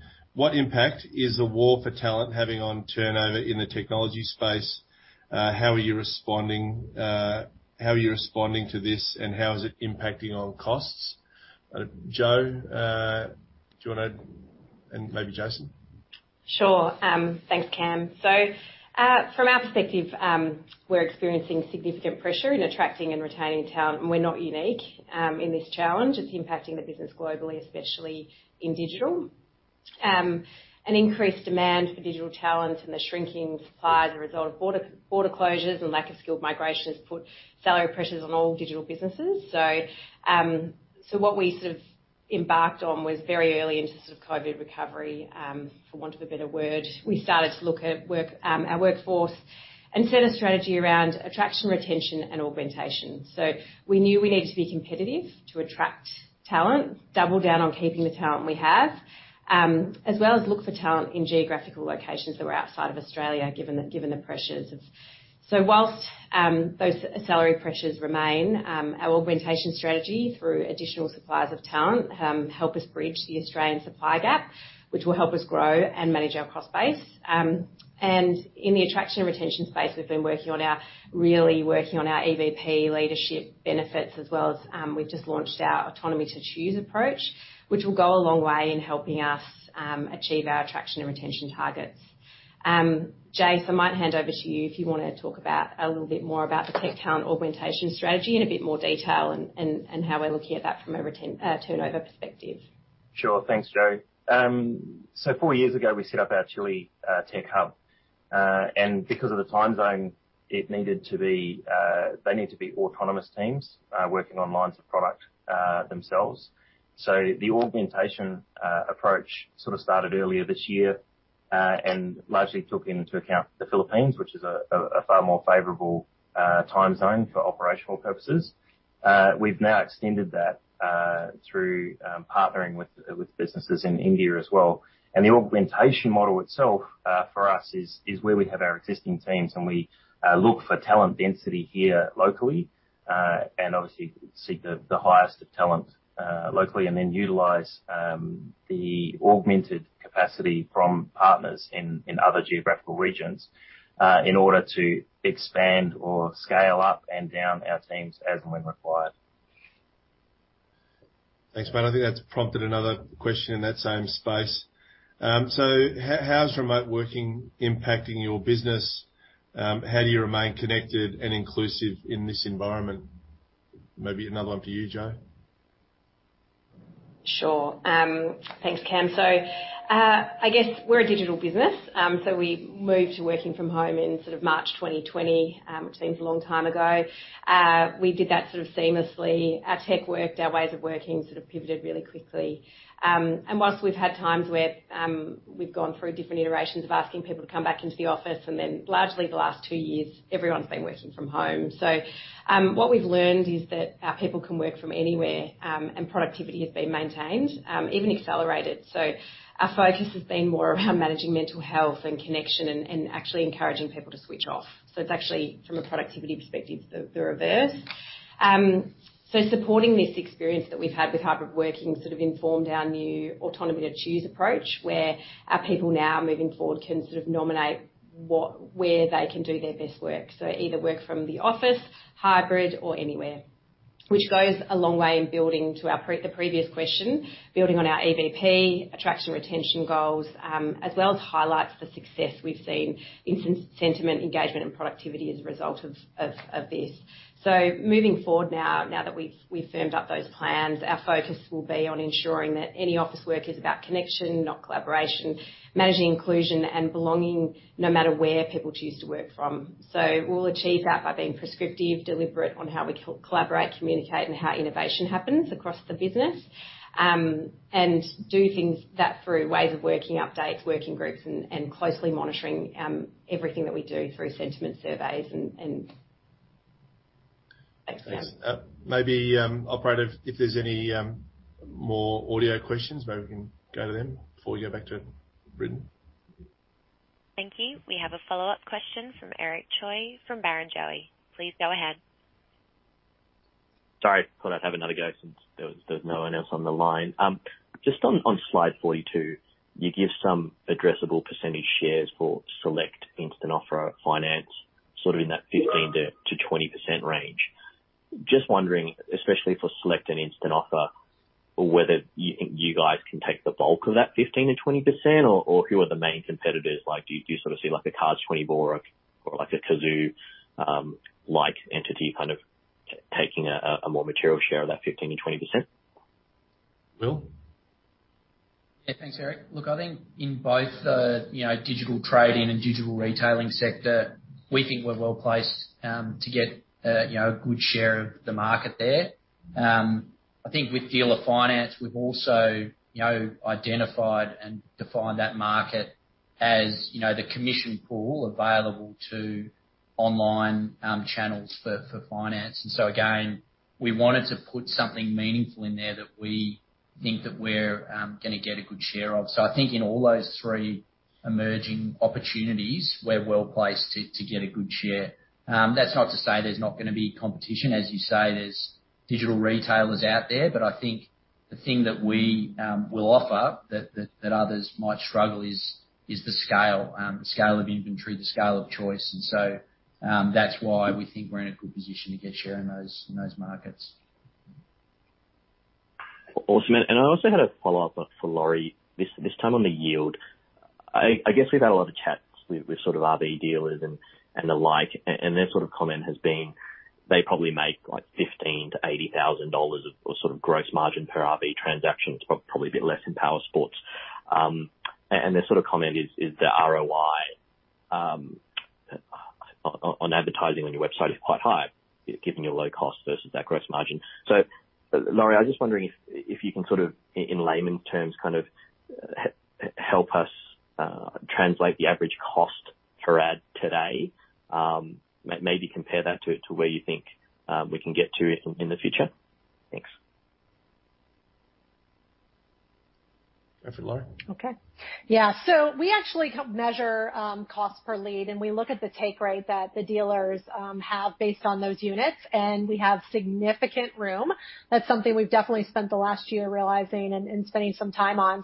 war for talent having on turnover in the technology space? How are you responding to this, and how is it impacting on costs? Jo, do you wanna and maybe Jason? Sure. Thanks, Cam. From our perspective, we're experiencing significant pressure in attracting and retaining talent, and we're not unique in this challenge. It's impacting the business globally, especially in digital. An increased demand for digital talent and the shrinking supply as a result of border closures and lack of skilled migration has put salary pressures on all digital businesses. What we sort of embarked on was very early into sort of COVID recovery, for want of a better word. We started to look at our workforce and set a strategy around attraction, retention and augmentation. We knew we needed to be competitive to attract talent, double down on keeping the talent we have, as well as look for talent in geographical locations that were outside of Australia, given the pressures of... Whilst those salary pressures remain, our augmentation strategy through additional suppliers of talent help us bridge the Australian supply gap, which will help us grow and manage our cost base. In the attraction and retention space, we've been really working on our EVP leadership benefits as well as we've just launched our autonomy to choose approach, which will go a long way in helping us achieve our attraction and retention targets. Jason, I might hand over to you if you wanna talk about a little bit more about the tech talent augmentation strategy in a bit more detail and how we're looking at that from a retention turnover perspective. Sure. Thanks, Jo. Four years ago, we set up our Chile tech hub. Because of the time zone, they need to be autonomous teams working on lines of product themselves. The augmentation approach sort of started earlier this year and largely took into account the Philippines, which is a far more favorable time zone for operational purposes. We've now extended that through partnering with businesses in India as well. The augmentation model itself for us is where we have our existing teams and we look for talent density here locally and obviously seek the highest of talent locally and then utilize the augmented capacity from partners in other geographical regions in order to expand or scale up and down our teams as and when required. Thanks, mate. I think that's prompted another question in that same space. So how's remote working impacting your business? How do you remain connected and inclusive in this environment? Maybe another one for you, Jo. Sure. Thanks, Cam. I guess we're a digital business. We moved to working from home in sort of March 2020, which seems a long time ago. We did that sort of seamlessly. Our tech worked, our ways of working sort of pivoted really quickly. Whilst we've had times where we've gone through different iterations of asking people to come back into the office, and then largely the last two years, everyone's been working from home. What we've learned is that our people can work from anywhere, and productivity has been maintained, even accelerated. Our focus has been more around managing mental health and connection and actually encouraging people to switch off. It's actually from a productivity perspective, the reverse. Supporting this experience that we've had with hybrid working sort of informed our new autonomy to choose approach, where our people now moving forward can sort of nominate where they can do their best work. Either work from the office, hybrid or anywhere. Which goes a long way in building to the previous question, building on our EVP attraction retention goals, as well as highlights the success we've seen in sentiment engagement and productivity as a result of this. Moving forward now that we've firmed up those plans, our focus will be on ensuring that any office work is about connection, not collaboration, managing inclusion and belonging, no matter where people choose to work from. We'll achieve that by being prescriptive, deliberate on how we collaborate, communicate, and how innovation happens across the business. Do things through ways of working updates, working groups, and closely monitoring everything that we do through sentiment surveys. Thanks, Cam. Thanks. Maybe, operator, if there's any more audio questions, maybe we can go to them before we go back to written. Thank you. We have a follow-up question from Eric Choi from Barrenjoey. Please go ahead. Sorry. Thought I'd have another go since there was no one else on the line. Just on slide 42, you give some addressable percentage shares for Select Instant Offer finance, sort of in that 15%-20% range. Just wondering, especially for Select and Instant Offer, or whether you guys can take the bulk of that 15%-20% or who are the main competitors? Like do you sort of see like a Cars24 or like a Cazoo entity kind of taking a more material share of that 15%-20%? Will? Yeah. Thanks, Eric. Look, I think in both, you know, digital trading and digital retailing sector, we think we're well placed to get, you know, a good share of the market there. I think with dealer finance, we've also, you know, identified and defined that market as, you know, the commission pool available to online channels for finance. Again, we wanted to put something meaningful in there that we think that we're gonna get a good share of. I think in all those three emerging opportunities, we're well placed to get a good share. That's not to say there's not gonna be competition. As you say, there's digital retailers out there. I think the thing that we will offer that others might struggle is the scale. The scale of inventory, the scale of choice. That's why we think we're in a good position to get share in those markets. Awesome. I also had a follow-up for Lori. This time on the yield. I guess we've had a lot of chats with sort of RV dealers and the like, and their sort of comment has been they probably make like 15,000-80,000 dollars of sort of gross margin per RV transaction. It's probably a bit less in power sports. And their sort of comment is the ROI on advertising on your website is quite high given your low cost versus that gross margin. Lori, I'm just wondering if you can sort of in layman's terms kind of help us translate the average cost per ad today. Maybe compare that to where you think we can get to in the future. Thanks. Go for it, Lori. Okay. Yeah. We actually measure cost per lead, and we look at the take rate that the dealers have based on those units, and we have significant room. That's something we've definitely spent the last year realizing and spending some time on.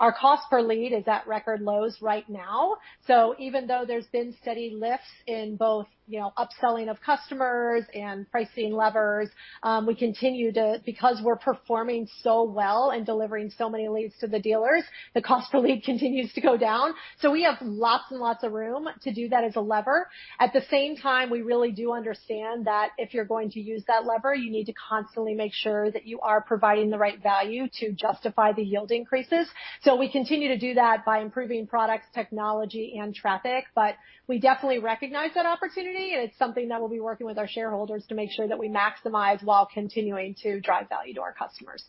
Our cost per lead is at record lows right now. Even though there's been steady lifts in both, you know, upselling of customers and pricing levers, we continue because we're performing so well and delivering so many leads to the dealers, the cost per lead continues to go down. We have lots and lots of room to do that as a lever. At the same time, we really do understand that if you're going to use that lever, you need to constantly make sure that you are providing the right value to justify the yield increases. We continue to do that by improving products, technology, and traffic. We definitely recognize that opportunity, and it's something that we'll be working with our shareholders to make sure that we maximize while continuing to drive value to our customers.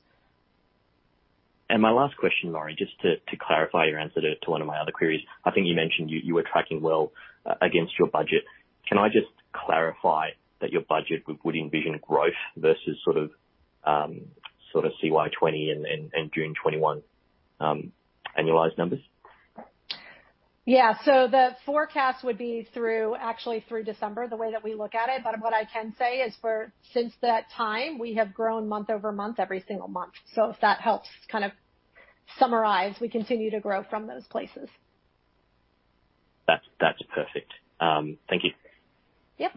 My last question, Lori, just to clarify your answer to one of my other queries. I think you mentioned you were tracking well against your budget. Can I just clarify that your budget would envision growth versus sort of CY 2020 and June 2021 annualized numbers? The forecast would be through, actually through December, the way that we look at it. What I can say is for since that time, we have grown month-over-month, every single month. If that helps kind of summarize, we continue to grow from those places. That's perfect. Thank you. Yep.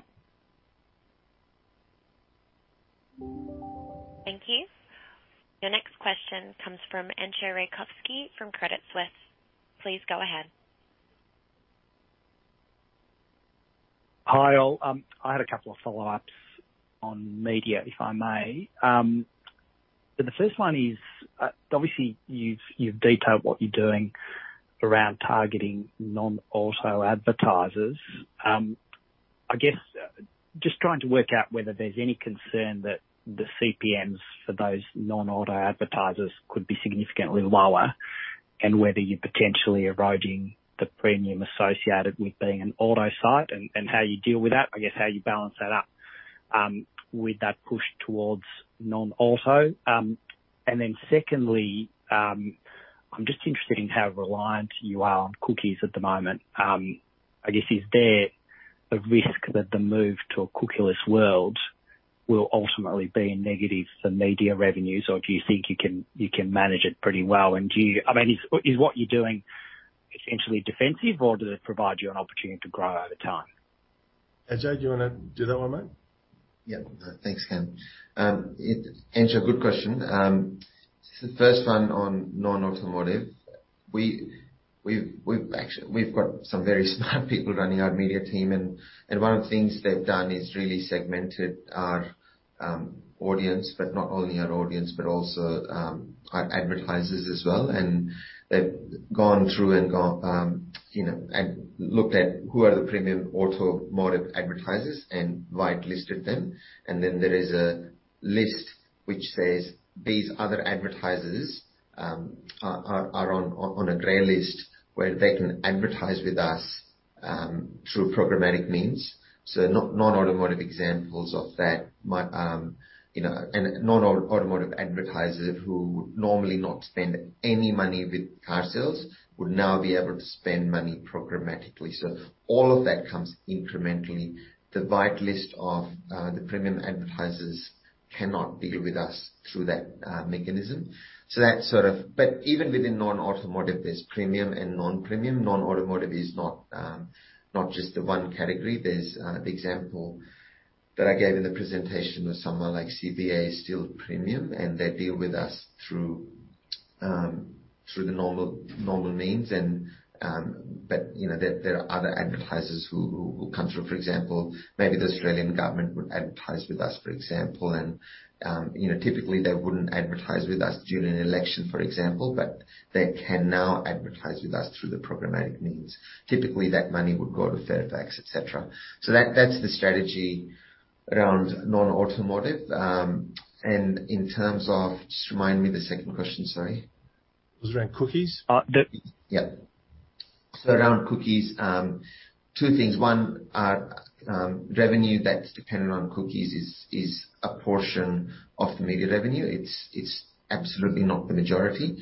Thank you. Your next question comes from Entcho Raykovski from Credit Suisse. Please go ahead. Hi all. I had a couple of follow-ups on media, if I may. The first one is, obviously you've detailed what you're doing around targeting non-auto advertisers. I guess just trying to work out whether there's any concern that the CPMs for those non-auto advertisers could be significantly lower and whether you're potentially eroding the premium associated with being an auto site and how you deal with that. I guess how you balance that up with that push towards non-auto. And then secondly, I'm just interested in how reliant you are on cookies at the moment. I guess is there a risk that the move to a cookieless world will ultimately be a negative for media revenues, or do you think you can manage it pretty well? I mean, is what you're doing essentially defensive or does it provide you an opportunity to grow over time? Ajay, do you wanna do that one, mate? Yeah. No, thanks, Cam. It's a good question. The first one on non-automotive. We've actually got some very smart people running our media team, and one of the things they've done is really segmented our audience, but not only our audience, but also our advertisers as well. They've gone through and looked at who are the premium automotive advertisers and whitelisted them. There is a list which says these other advertisers are on a gray list where they can advertise with us through programmatic means. Non-automotive examples of that might, you know. Non-automotive advertisers who would normally not spend any money with carsales would now be able to spend money programmatically. All of that comes incrementally. The white list of the premium advertisers cannot deal with us through that mechanism. That's sort of. Even within non-automotive, there's premium and non-premium. Non-automotive is not just the one category. There's the example that I gave in the presentation of someone like CBA is still premium, and they deal with us through the normal means. You know, there are other advertisers who come through. For example, maybe the Australian government would advertise with us, for example. You know, typically, they wouldn't advertise with us during an election, for example, they can now advertise with us through the programmatic means. Typically, that money would go to Fairfax, etc. That's the strategy around non-automotive. In terms of. Just remind me the second question, sorry. It was around cookies. Yeah. Around cookies, two things. One, our revenue that's dependent on cookies is a portion of the media revenue. It's absolutely not the majority.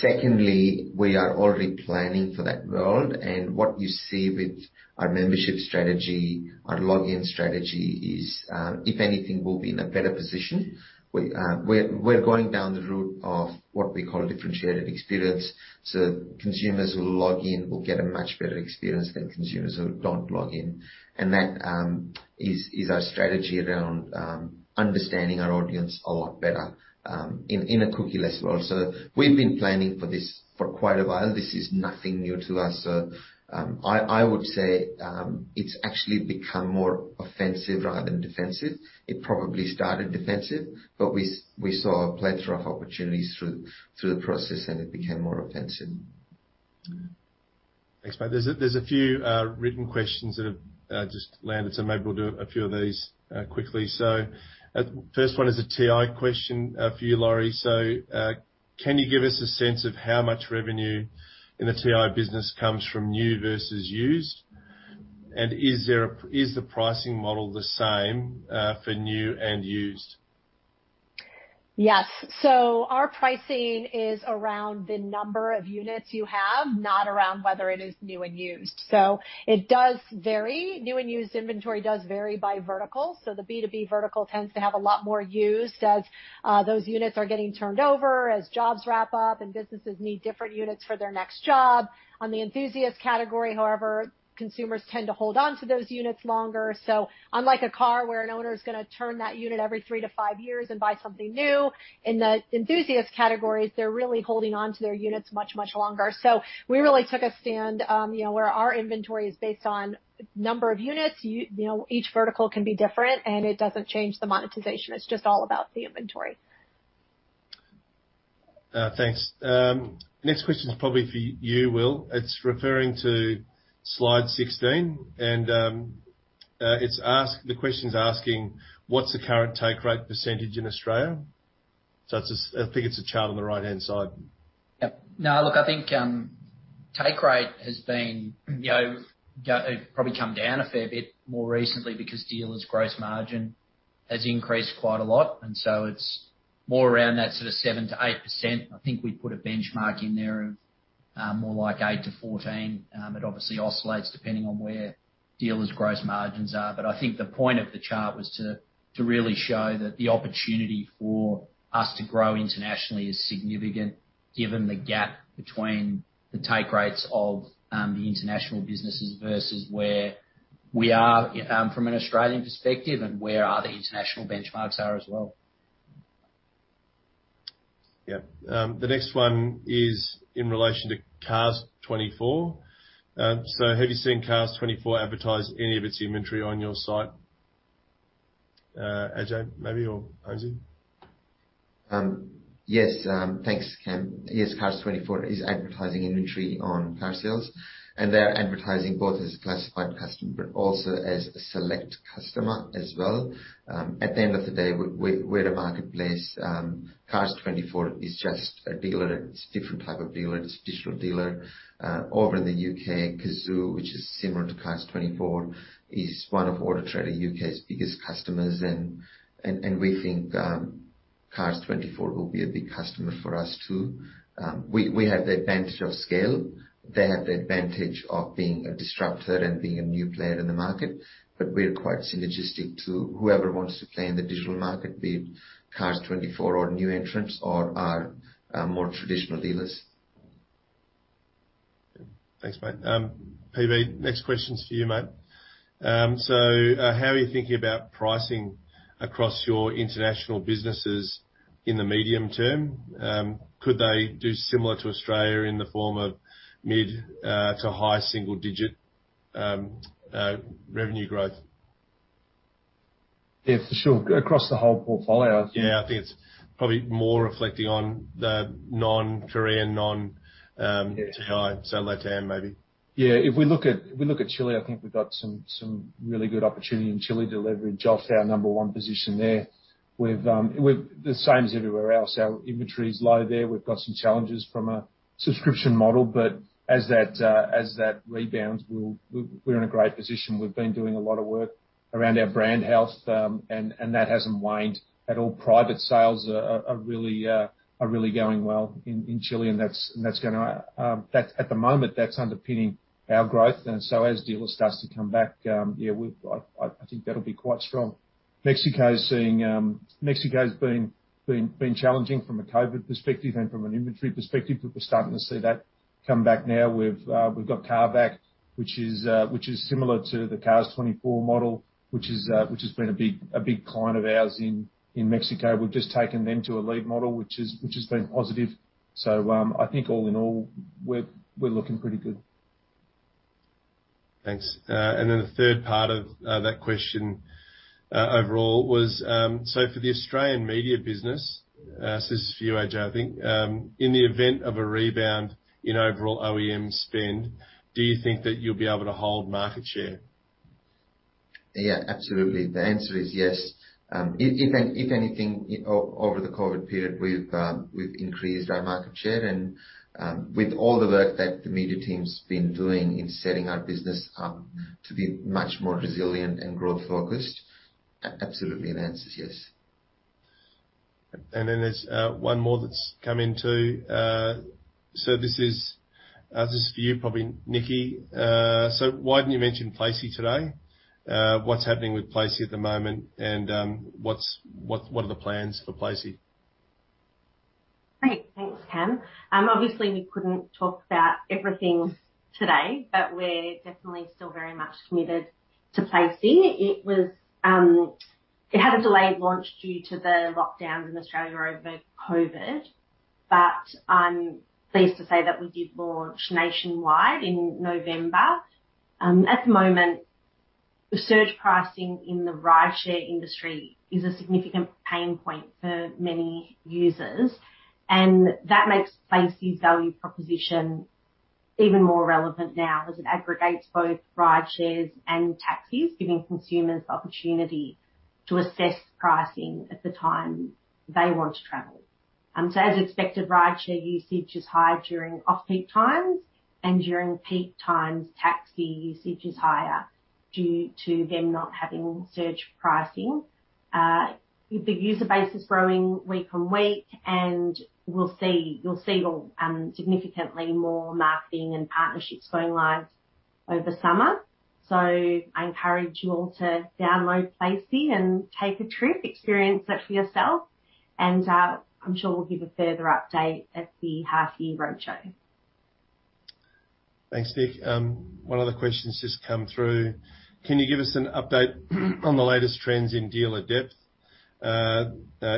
Secondly, we are already planning for that world. What you see with our membership strategy, our login strategy is, if anything, we'll be in a better position. We're going down the route of what we call a differentiated experience. Consumers who log in will get a much better experience than consumers who don't log in. That is our strategy around understanding our audience a lot better in a cookieless world. We've been planning for this for quite a while. This is nothing new to us. I would say it's actually become more offensive rather than defensive. It probably started defensive, but we saw a plethora of opportunities through the process, and it became more offensive. Thanks, mate. There's a few written questions that have just landed, so maybe we'll do a few of these quickly. First one is a TI question for you, Lori. Can you give us a sense of how much revenue in the TI business comes from new versus used? And is the pricing model the same for new and used? Yes. Our pricing is around the number of units you have, not around whether it is new and used. It does vary. New and used inventory does vary by vertical. The B2B vertical tends to have a lot more used as those units are getting turned over as jobs wrap up and businesses need different units for their next job. On the enthusiast category, however, consumers tend to hold on to those units longer. Unlike a car where an owner is gonna turn that unit every three to five years and buy something new, in the enthusiast categories, they're really holding on to their units much, much longer. We really took a stand, you know, where our inventory is based on number of units. You know, each vertical can be different, and it doesn't change the monetization. It's just all about the inventory. Thanks. Next question is probably for you, Will. It's referring to slide 16, and the question is asking, what's the current take rate % in Australia? It's just I think it's a chart on the right-hand side. Yep. No, look, I think take rate has been, you know, probably come down a fair bit more recently because dealers' gross margin has increased quite a lot, and so it's more around that sort of 7%-8%. I think we put a benchmark in there of more like 8%-14%. It obviously oscillates depending on where dealers' gross margins are. I think the point of the chart was to really show that the opportunity for us to grow internationally is significant given the gap between the take rates of the international businesses versus where we are from an Australian perspective, and where the international benchmarks are as well. Yeah. The next one is in relation to Cars24. Have you seen Cars24 advertise any of its inventory on your site? Ajay, maybe or Ozy? Yes. Thanks, Cam. Yes, Cars24 is advertising inventory on carsales, and they're advertising both as a classified customer, but also as a select customer as well. At the end of the day, we're a marketplace. Cars24 is just a dealer. It's different type of dealer. It's a digital dealer. Over in the U.K., Cazoo, which is similar to Cars24, is one of Auto Trader UK's biggest customers and we think Cars24 will be a big customer for us, too. We have the advantage of scale. They have the advantage of being a disruptor and being a new player in the market. We're quite synergistic to whoever wants to play in the digital market, be it Cars24 or new entrants or our more traditional dealers. Thanks, mate. PB, next question's for you, mate. So, how are you thinking about pricing across your international businesses in the medium term? Could they do similar to Australia in the form of mid- to high-single-digit revenue growth? Yeah, for sure. Across the whole portfolio? Yeah. I think it's probably more reflecting on the non-Korean, Yeah. LatAm maybe. Yeah. If we look at Chile, I think we've got some really good opportunity in Chile to leverage off our number one position there. The same as everywhere else. Our inventory is low there. We've got some challenges from a subscription model, but as that rebounds, we're in a great position. We've been doing a lot of work around our brand health, and that hasn't waned at all. Private sales are really going well in Chile. That's at the moment, that's underpinning our growth. As dealers starts to come back, yeah, I think that'll be quite strong. Mexico is seeing... Mexico's been challenging from a COVID perspective and from an inventory perspective, but we're starting to see that come back now. We've got KAVAK, which is similar to the Cars24 model, which has been a big client of ours in Mexico. We've just taken them to a lead model, which has been positive. I think all in all, we're looking pretty good. Thanks. The third part of that question overall was, so for the Australian media business, so this is for you, Ajay, I think, in the event of a rebound in overall OEM spend, do you think that you'll be able to hold market share? Yeah, absolutely. The answer is yes. If anything, over the COVID period, we've increased our market share. With all the work that the media team's been doing in setting our business up to be much more resilient and growth focused, absolutely, the answer is yes. Then there's one more that's come in, too. So this is for you, probably Nikki. So why haven't you mentioned Placie today? What's happening with Placie at the moment and what are the plans for Placie? Great. Thanks, Cam. Obviously we couldn't talk about everything today, but we're definitely still very much committed to Placie. It had a delayed launch due to the lockdowns in Australia over COVID, but I'm pleased to say that we did launch nationwide in November. At the moment, the surge pricing in the rideshare industry is a significant pain point for many users, and that makes Placie's value proposition even more relevant now as it aggregates both rideshares and taxis, giving consumers the opportunity to assess pricing at the time they want to travel. As expected, rideshare usage is high during off-peak times, and during peak times, taxi usage is higher due to them not having surge pricing. The user base is growing week on week, and you'll see more, significantly more marketing and partnerships going live over summer. I encourage you all to download Placie and take a trip, experience it for yourself, and, I'm sure we'll give a further update at the half year roadshow. Thanks, Nikki. One of the questions just come through. Can you give us an update on the latest trends in dealer depth?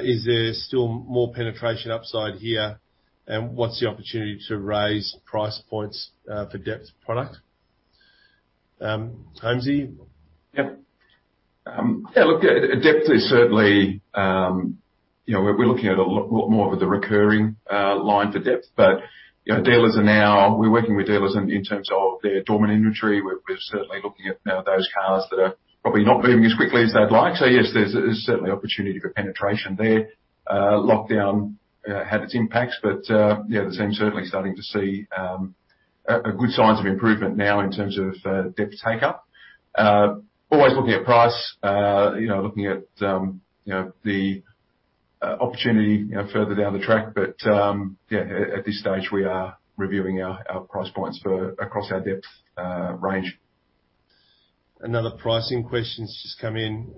Is there still more penetration upside here? And what's the opportunity to raise price points for depth product? Homesy? Yeah, look, depth is certainly you know, we're looking at a lot more of the recurring line for depth. Dealers are now working with dealers in terms of their dormant inventory. We're certainly looking at you know, those cars that are probably not moving as quickly as they'd like. Yes, there's certainly opportunity for penetration there. Lockdown had its impacts, but you know, the team's certainly starting to see a good signs of improvement now in terms of depth take-up. Always looking at price, you know, looking at the opportunity you know, further down the track. Yeah, at this stage, we are reviewing our price points across our depth range. Another pricing question's just come in.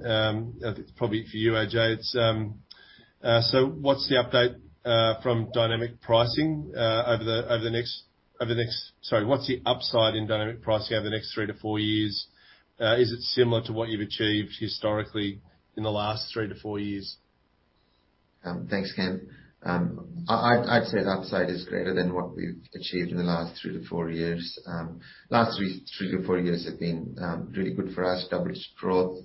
It's probably for you, Ajay. Sorry, what's the upside in dynamic pricing over the next three to four years? Is it similar to what you've achieved historically in the last three to four years? Thanks, Cam. I'd say the upside is greater than what we've achieved in the last three to four years. Last three to four years have been really good for us, double-digit growth.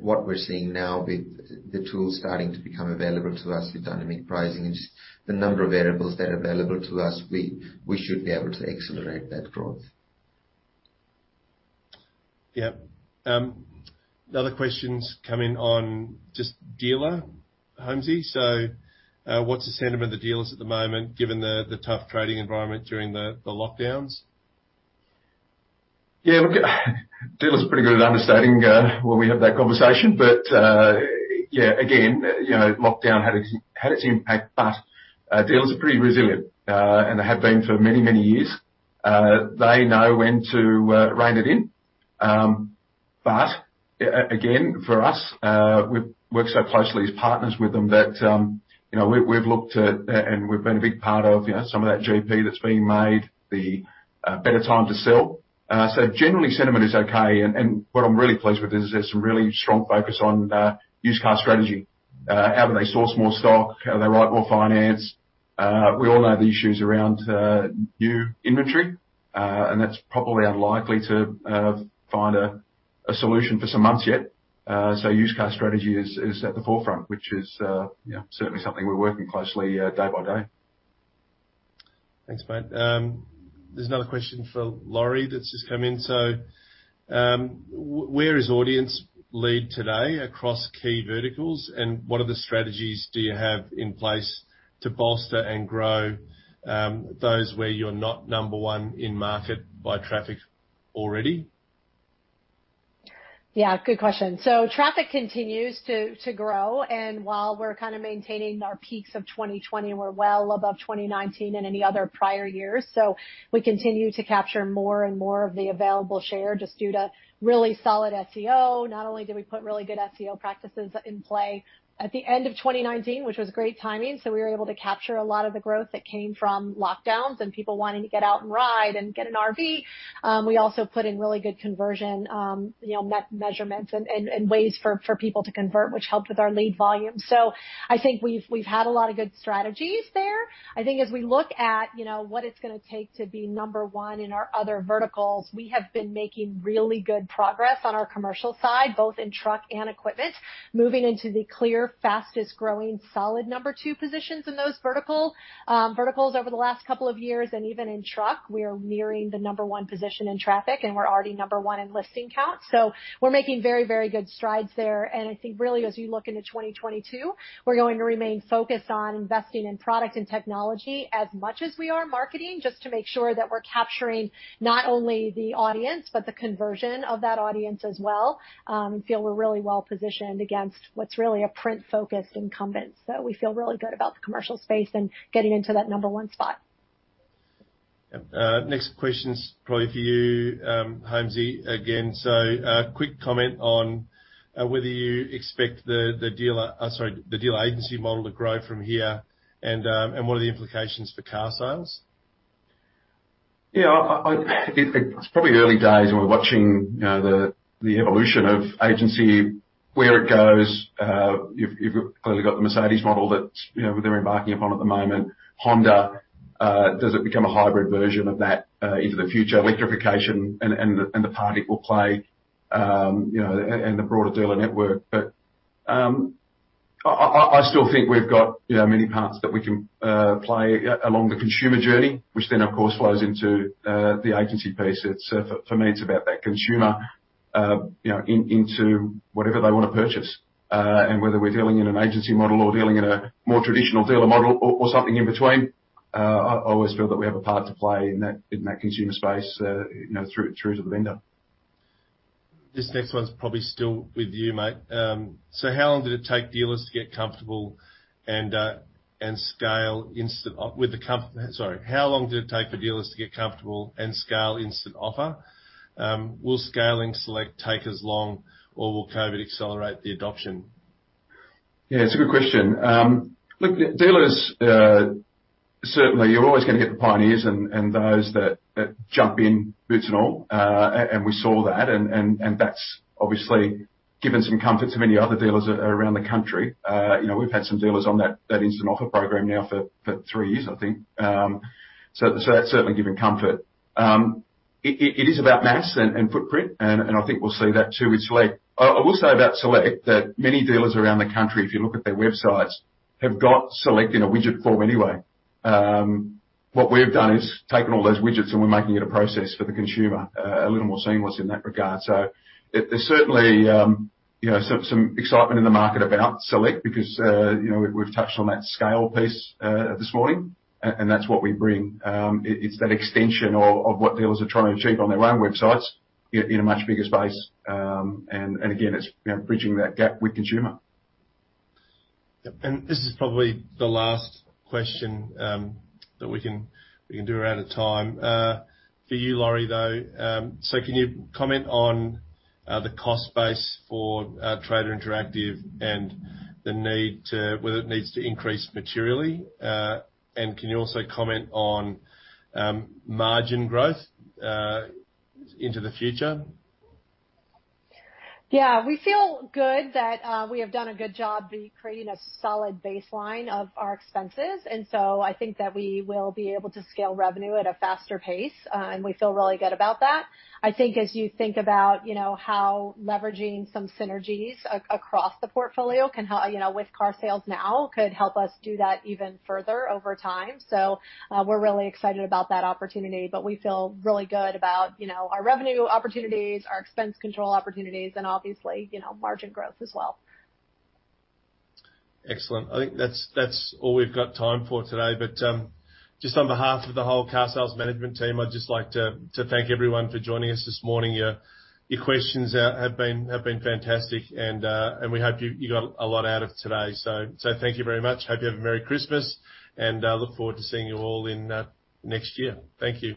What we're seeing now with the tools starting to become available to us with dynamic pricing and just the number of variables that are available to us, we should be able to accelerate that growth. Yeah. Another question's come in on just dealer, Homesy. What's the sentiment of the dealers at the moment, given the tough trading environment during the lockdowns? Yeah, look, dealers are pretty good at understating when we have that conversation. Yeah, again, you know, lockdown had its impact, but dealers are pretty resilient. They have been for many, many years. They know when to rein it in. Again, for us, we work so closely as partners with them that you know, we've looked at and we've been a big part of you know, some of that GP that's been made, the better time to sell. Generally sentiment is okay. What I'm really pleased with is there's some really strong focus on used car strategy. How do they source more stock? How do they write more finance? We all know the issues around new inventory, and that's probably unlikely to find a solution for some months yet. Used car strategy is at the forefront, which is you know certainly something we're working closely day by day. Thanks, mate. There's another question for Lori that's just come in. Where is audience lead today across key verticals? What other strategies do you have in place to bolster and grow those where you're not number one in market by traffic already? Yeah, good question. Traffic continues to grow. While we're kind of maintaining our peaks of 2020, and we're well above 2019 and any other prior years. We continue to capture more and more of the available share just due to really solid SEO. Not only did we put really good SEO practices in play at the end of 2019, which was great timing, so we were able to capture a lot of the growth that came from lockdowns and people wanting to get out and ride and get an RV. We also put in really good conversion, you know, measurements and ways for people to convert, which helped with our lead volume. I think we've had a lot of good strategies there. I think as we look at, you know, what it's gonna take to be number one in our other verticals, we have been making really good progress on our commercial side, both in truck and equipment, moving into the clear, fastest-growing solid number two positions in those verticals over the last couple of years. Even in truck, we are nearing the number one position in traffic, and we're already number one in listing count. We're making very, very good strides there. I think really as you look into 2022, we're going to remain focused on investing in product and technology as much as we are marketing, just to make sure that we're capturing not only the audience, but the conversion of that audience as well. We feel we're really well positioned against what's really a print-focused incumbent. We feel really good about the commercial space and getting into that number one spot. Yep. Next question's probably for you, Homesy again. Quick comment on whether you expect the dealer agency model to grow from here and what are the implications for carsales? Yeah, it's probably early days, and we're watching, you know, the evolution of agency where it goes. You've clearly got the Mercedes model that, you know, they're embarking upon at the moment. Honda, does it become a hybrid version of that into the future? Electrification and the part it will play, you know, and the broader dealer network. I still think we've got, you know, many parts that we can play along the consumer journey, which then of course flows into the agency piece. It's for me, it's about that consumer, you know, into whatever they wanna purchase. Whether we're dealing in an agency model or dealing in a more traditional dealer model or something in between, I always feel that we have a part to play in that consumer space, you know, through to the vendor. This next one's probably still with you, mate. How long did it take for dealers to get comfortable and scale Instant Offer? Will scaling Select take as long or will COVID accelerate the adoption? Yeah, it's a good question. Look, dealers, certainly you're always gonna get the pioneers and those that jump in boots and all. We saw that, and that's obviously given some comfort to many other dealers around the country. You know, we've had some dealers on that Instant Offer program now for three years, I think. That's certainly given comfort. It is about mass and footprint, and I think we'll see that too with Select. I will say about Select that many dealers around the country, if you look at their websites, have got Select in a widget form anyway. What we've done is taken all those widgets, and we're making it a process for the consumer, a little more seamless in that regard. There's certainly you know some excitement in the market about Select because you know we've touched on that scale piece this morning and that's what we bring. It's that extension of what dealers are trying to achieve on their own websites in a much bigger space. Again it's you know bridging that gap with consumer. Yep. This is probably the last question that we can do. We're out of time. For you, Lori, though, can you comment on the cost base for Trader Interactive and the need to whether it needs to increase materially? Can you also comment on margin growth into the future? Yeah. We feel good that we have done a good job creating a solid baseline of our expenses. I think that we will be able to scale revenue at a faster pace, and we feel really good about that. I think as you think about, you know, how leveraging some synergies across the portfolio can help, you know, with carsales now, could help us do that even further over time. We're really excited about that opportunity. We feel really good about, you know, our revenue opportunities, our expense control opportunities, and obviously, you know, margin growth as well. Excellent. I think that's all we've got time for today. Just on behalf of the whole carsales management team, I'd just like to thank everyone for joining us this morning. Your questions have been fantastic and we hope you got a lot out of today. Thank you very much. Hope you have a Merry Christmas, and look forward to seeing you all in next year. Thank you.